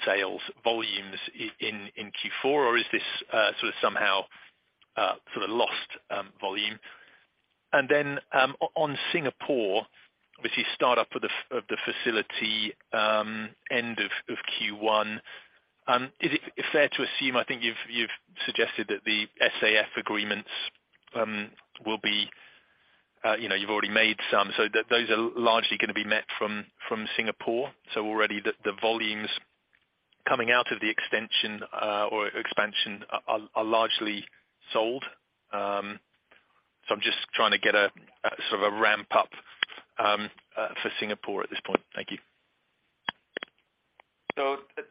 sales volumes in Q4? Or is this sort of somehow sort of lost volume? Then on Singapore, obviously start up of the facility end of Q1. Is it fair to assume I think you've suggested that the SAF agreements will be, you know, you've already made some, so those are largely gonna be met from Singapore. Already the volumes coming out of the extension or expansion are largely sold. I'm just trying to get a sort of a ramp up for Singapore at this point. Thank you.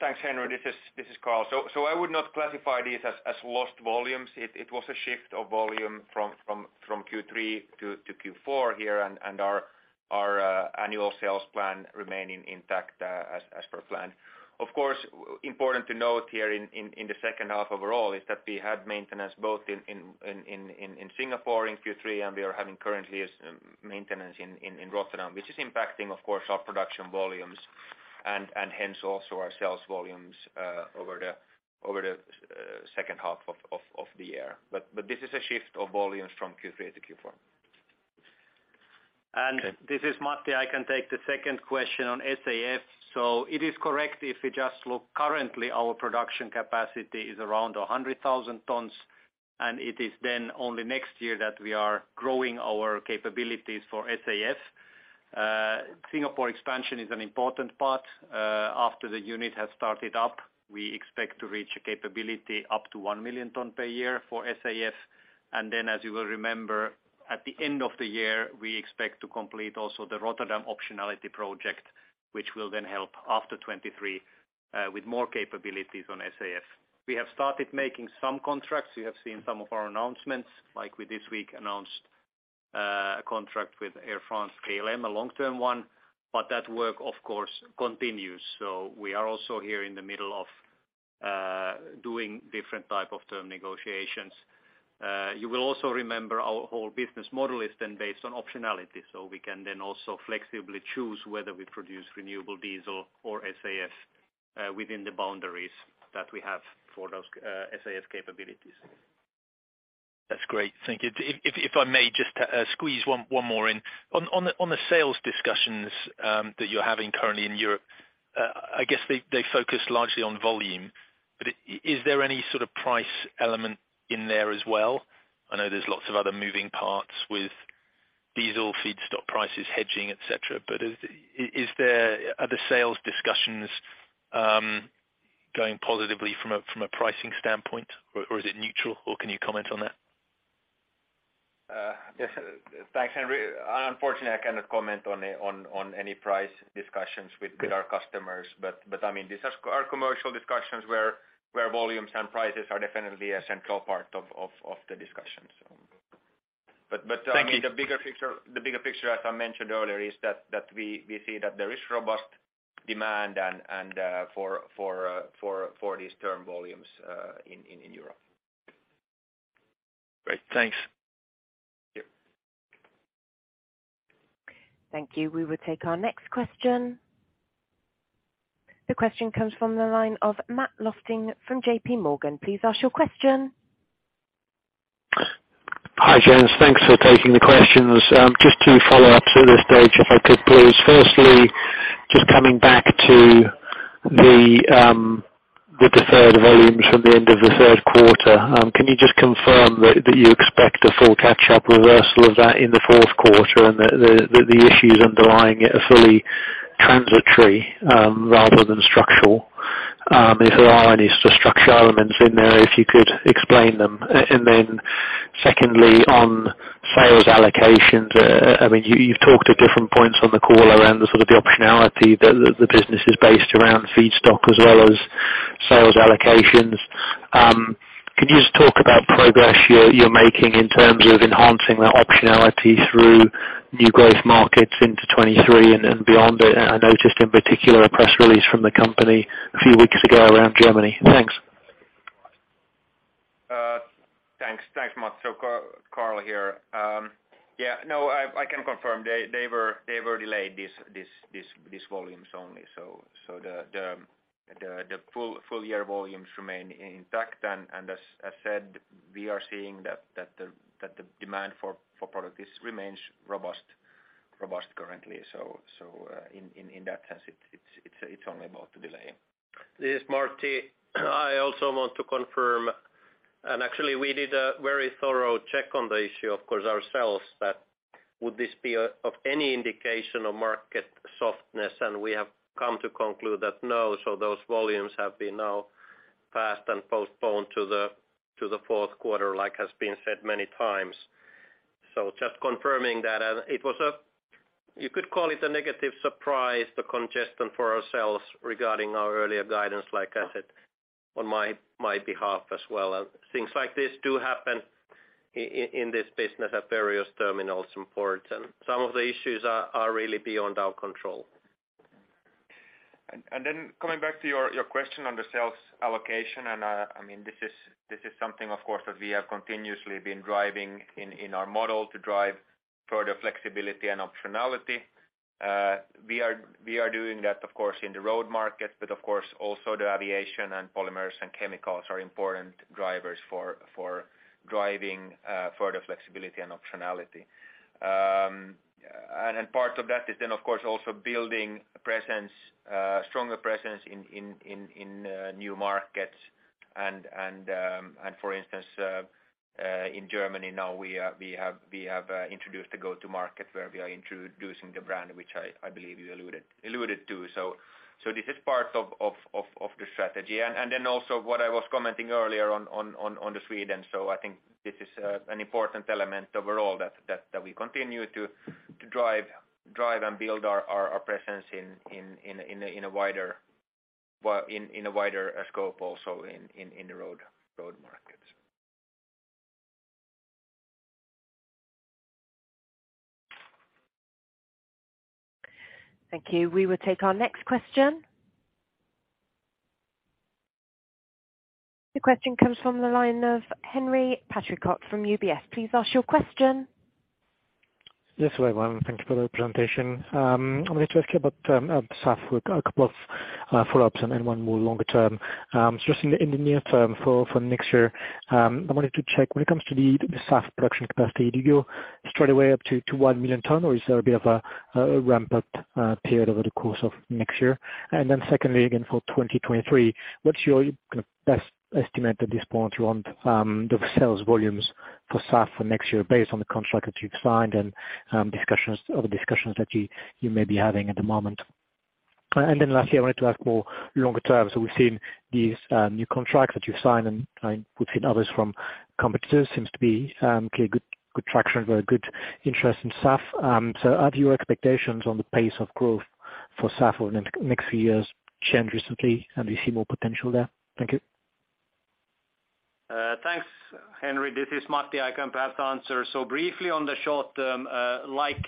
Thanks, Henry. This is Carl. I would not classify these as lost volumes. It was a shift of volume from Q3 to Q4 here and our annual sales plan remaining intact, as per planned. Of course, important to note here in the second half overall, is that we had maintenance both in Singapore in Q3, and we are having currently maintenance in Rotterdam, which is impacting, of course, our production volumes and hence also our sales volumes, over the second half of the year. This is a shift of volumes from Q3 to Q4.
This is Matti. I can take the second question on SAF. It is correct if you just look. Currently our production capacity is around 100,000 tons, and it is then only next year that we are growing our capabilities for SAF. Singapore expansion is an important part. After the unit has started up, we expect to reach a capability up to 1 million tons per year for SAF. As you will remember, at the end of the year, we expect to complete also the Rotterdam optionality project, which will then help after 2023 with more capabilities on SAF. We have started making some contracts. You have seen some of our announcements, like we this week announced a contract with Air France-KLM, a long-term one, but that work, of course, continues. We are also here in the middle of doing different type of term negotiations. You will also remember our whole business model is then based on optionality, so we can then also flexibly choose whether we produce renewable diesel or SAF within the boundaries that we have for those SAF capabilities.
That's great. Thank you. If I may, just to squeeze one more in. On the sales discussions that you're having currently in Europe, I guess they focus largely on volume, but is there any sort of price element in there as well? I know there's lots of other moving parts with diesel feedstock prices hedging, et cetera, but are the sales discussions going positively from a pricing standpoint, or is it neutral, or can you comment on that?
Yes. Thanks, Henry. Unfortunately, I cannot comment on any price discussions with our customers. I mean, these are our commercial discussions where volumes and prices are definitely a central part of the discussion.
Thank you.
I mean, the bigger picture, as I mentioned earlier, is that we see that there is robust demand and for these term volumes in Europe.
Great. Thanks.
Yep.
Thank you. We will take our next question. The question comes from the line of Matthew Lofting from JPMorgan. Please ask your question.
Hi, gents. Thanks for taking the questions. Just two follow-ups at this stage, if I could please. Firstly, just coming back to the deferred volumes from the end of the third quarter, can you just confirm that you expect a full catch-up reversal of that in the fourth quarter and the issues underlying it are fully transitory, rather than structural? If there are any structural elements in there, if you could explain them. Then secondly, on sales allocations, I mean, you've talked at different points on the call around the sort of optionality the business is based around feedstock as well as sales allocations. Could you just talk about progress you're making in terms of enhancing that optionality through new growth markets into 2023 and beyond? I noticed in particular a press release from the company a few weeks ago around Germany. Thanks.
Thanks. Thanks, Matt. Carl here. I can confirm. They were delayed, these volumes only. The full year volumes remain intact. As I said, we are seeing that the demand for product remains robust currently. In that sense, it's only about the delay.
This is Matti. I also want to confirm. Actually we did a very thorough check on the issue, of course, ourselves, that would this be a, of any indication of market softness? We have come to conclude that no. Those volumes have been now passed and postponed to the fourth quarter, like has been said many times. Just confirming that. It was a, you could call it a negative surprise, the congestion for ourselves regarding our earlier guidance, like I said on my behalf as well. Things like this do happen in this business at various terminals and ports. Some of the issues are really beyond our control.
Coming back to your question on the sales allocation, I mean, this is something, of course, that we have continuously been driving in our model to drive further flexibility and optionality. We are doing that, of course, in the road market, but of course also the aviation and polymers and chemicals are important drivers for driving further flexibility and optionality. Part of that is then of course also building a presence, stronger presence in new markets. For instance, in Germany now, we have introduced a go-to-market, where we are introducing the brand which I believe you alluded to. This is part of the strategy. Then also what I was commenting earlier on Sweden. I think this is an important element overall that we continue to drive and build our presence in a wider scope also in the road market.
Thank you. We will take our next question. The question comes from the line of Henri Patricot from UBS. Please ask your question.
Yes, everyone, thank you for the presentation. I wanted to ask you about SAF. We've got a couple of follow-ups and one more longer term. Just in the near term for next year, I wanted to check when it comes to the SAF production capacity, do you go straight away up to 1 million ton? Or is there a bit of a ramp-up period over the course of next year? Secondly, again for 2023, what's your best estimate at this point around the sales volumes for SAF for next year based on the contract that you've signed and discussions, or the discussions that you may be having at the moment? Lastly, I wanted to ask more longer term. We've seen these new contracts that you've signed, and I've seen others from competitors. Seems to be clear good traction, very good interest in SAF. Have your expectations on the pace of growth for SAF over the next few years changed recently? And do you see more potential there? Thank you.
Thanks, Henry. This is Matti. I can perhaps answer. Briefly on the short-term, like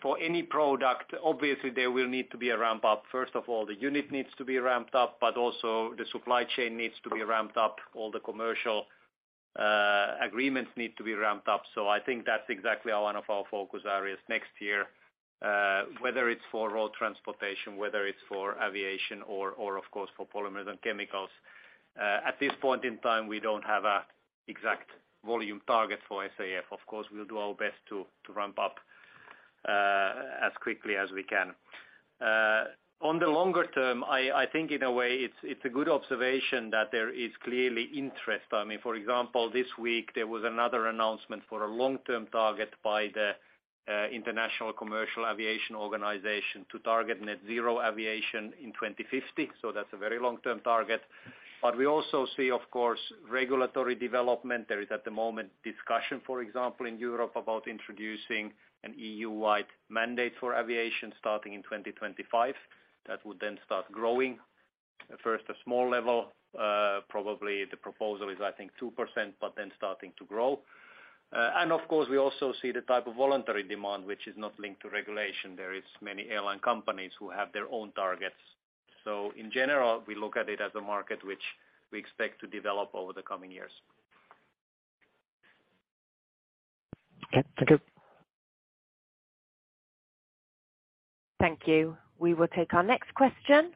for any product, obviously there will need to be a ramp up. First of all, the unit needs to be ramped up, but also the supply chain needs to be ramped up. All the commercial agreements need to be ramped up. I think that's exactly one of our focus areas next year. Whether it's for road transportation, whether it's for aviation or of course for polymers and chemicals. At this point in time, we don't have an exact volume target for SAF. Of course, we'll do our best to ramp up as quickly as we can. On the longer term, I think in a way it's a good observation that there is clearly interest.
I mean, for example, this week there was another announcement for a long-term target by the International Civil Aviation Organization to target net zero aviation in 2050. That's a very long-term target. We also see, of course, regulatory development. There is at the moment discussion, for example, in Europe about introducing an EU-wide mandate for aviation starting in 2025. That would then start growing. At first, a small level, probably the proposal is I think 2%, but then starting to grow. And of course, we also see the type of voluntary demand which is not linked to regulation. There is many airline companies who have their own targets. In general, we look at it as a market which we expect to develop over the coming years.
Okay. Thank you.
Thank you. We will take our next question.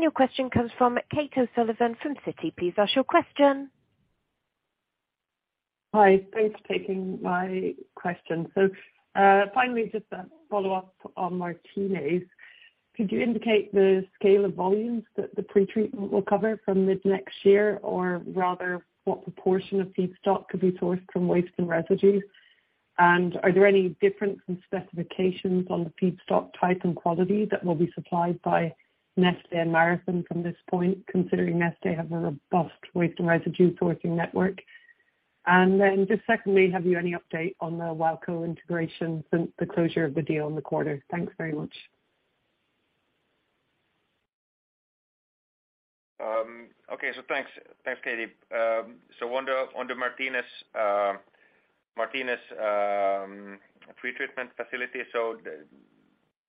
Your question comes from Kate O'Sullivan from Citi. Please ask your question.
Hi. Thanks for taking my question. Finally, just a follow-up on Martinez. Could you indicate the scale of volumes that the pretreatment will cover from mid-next year, or rather what proportion of feedstock could be sourced from waste and residues? Are there any difference in specifications on the feedstock type and quality that will be supplied by Neste and Marathon from this point, considering Neste have a robust waste and residue sourcing network? Just secondly, have you any update on the Walco integration since the closure of the deal in the quarter? Thanks very much.
Thanks. Thanks, Katie. On the Martinez pretreatment facility.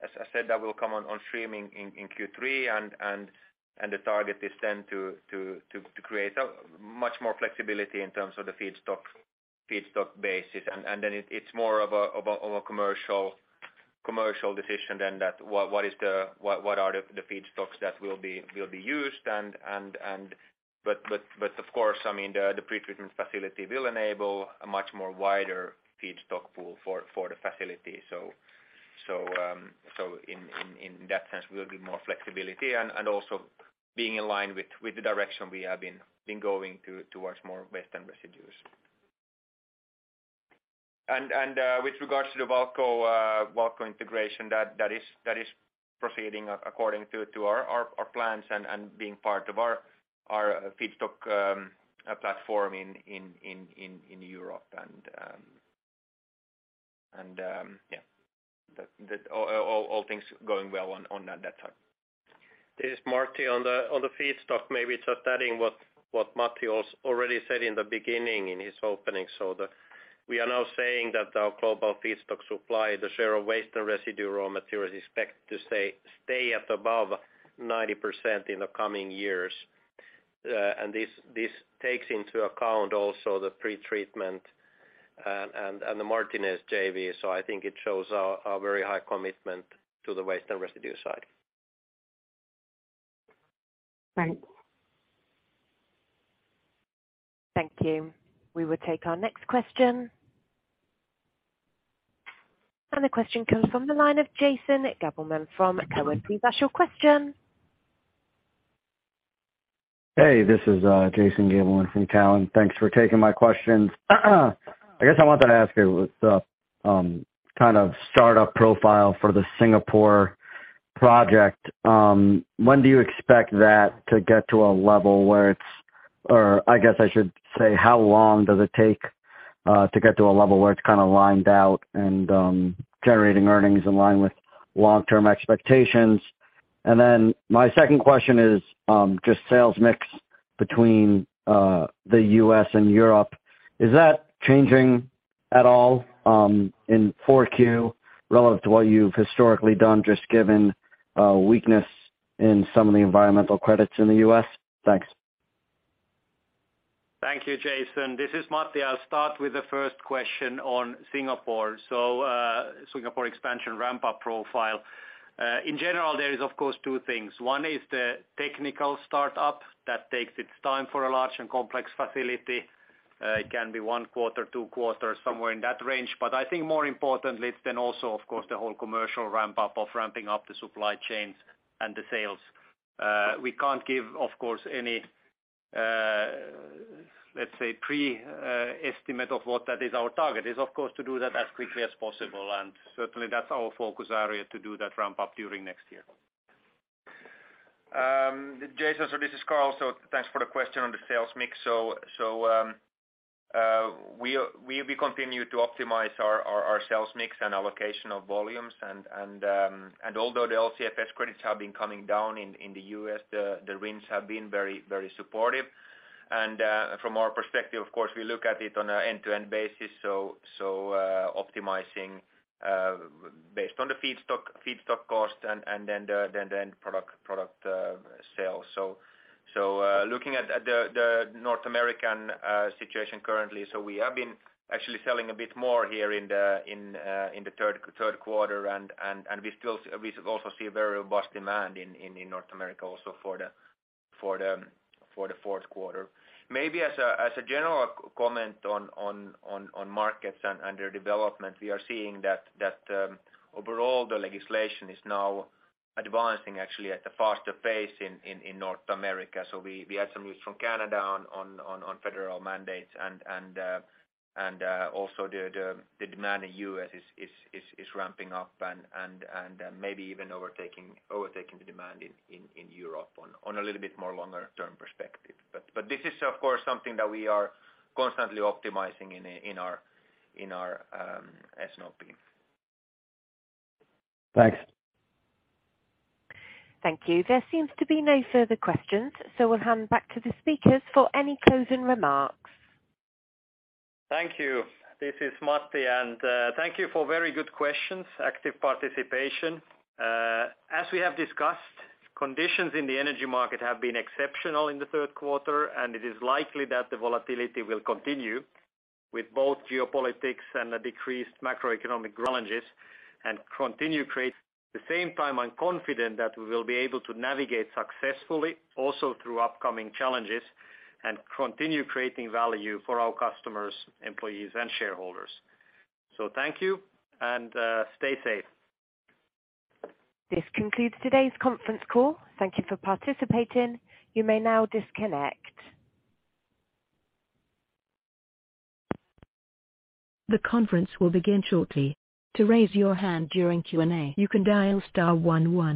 As I said, that will come on stream in Q3 and the target is then to create much more flexibility in terms of the feedstock basis. Then it's more of a commercial decision than that, what are the feedstocks that will be used and. Of course, I mean, the pretreatment facility will enable a much wider feedstock pool for the facility. In that sense will be more flexibility and also being in line with the direction we have been going towards more waste and residues. With regards to the Walco integration, that is proceeding according to our plans and being part of our feedstock platform in Europe. All things going well on that side.
This is Martti. On the feedstock, maybe just adding what Matti already said in the beginning in his opening. We are now saying that our global feedstock supply, the share of waste and residue raw material is expected to stay at above 90% in the coming years. This takes into account also the pretreatment and the Martinez JV. I think it shows our very high commitment to the waste and residue side.
Thanks.
Thank you. We will take our next question. The question comes from the line of Jason Gabelman from Cowen. Please ask your question.
Hey, this is Jason Gabelman from Cowen. Thanks for taking my questions. I guess I wanted to ask you what's the kind of startup profile for the Singapore project. When do you expect that to get to a level where it's? Or I guess I should say, how long does it take to get to a level where it's kinda lined out and generating earnings in line with long-term expectations. My second question is just sales mix between the U.S. and Europe. Is that changing at all in Q4 relative to what you've historically done, just given weakness in some of the environmental credits in the U.S.? Thanks.
Thank you, Jason Gabelman. This is Matti. I'll start with the first question on Singapore. Singapore expansion ramp-up profile. In general, there is, of course, two things. One is the technical start up that takes its time for a large and complex facility. It can be one quarter, two quarters, somewhere in that range. I think more importantly, it's then also, of course, the whole commercial ramp up of ramping up the supply chains and the sales. We can't give, of course, any, let's say, precise estimate of what that is. Our target is, of course, to do that as quickly as possible, and certainly, that's our focus area to do that ramp up during next year.
Jason, this is Carl. Thanks for the question on the sales mix. We'll be continuing to optimize our sales mix and allocation of volumes. Although the LCFS credits have been coming down in the U.S., the RINs have been very supportive. From our perspective, of course, we look at it on an end-to-end basis. Optimizing based on the feedstock cost and then the end product sale. Looking at the North American situation currently, we have been actually selling a bit more here in the third quarter. We also see very robust demand in North America also for the fourth quarter. Maybe as a general comment on markets and their development, we are seeing that overall, the legislation is now advancing actually at a faster pace in North America. We had some news from Canada on federal mandates and also the demand in U.S. is ramping up and maybe even overtaking the demand in Europe on a little bit more longer term perspective. This is of course something that we are constantly optimizing in our S&OP.
Thanks.
Thank you. There seems to be no further questions, so we'll hand back to the speakers for any closing remarks.
Thank you. This is Matti, and thank you for very good questions, active participation. As we have discussed, conditions in the energy market have been exceptional in the third quarter, and it is likely that the volatility will continue with both geopolitical and decreased macroeconomic challenges. At the same time, I'm confident that we will be able to navigate successfully also through upcoming challenges and continue creating value for our customers, employees, and shareholders. Thank you, and stay safe.
This concludes today's conference call. Thank you for participating. You may now disconnect. The conference will begin shortly. To raise your hand during Q&A, you can dial star one one.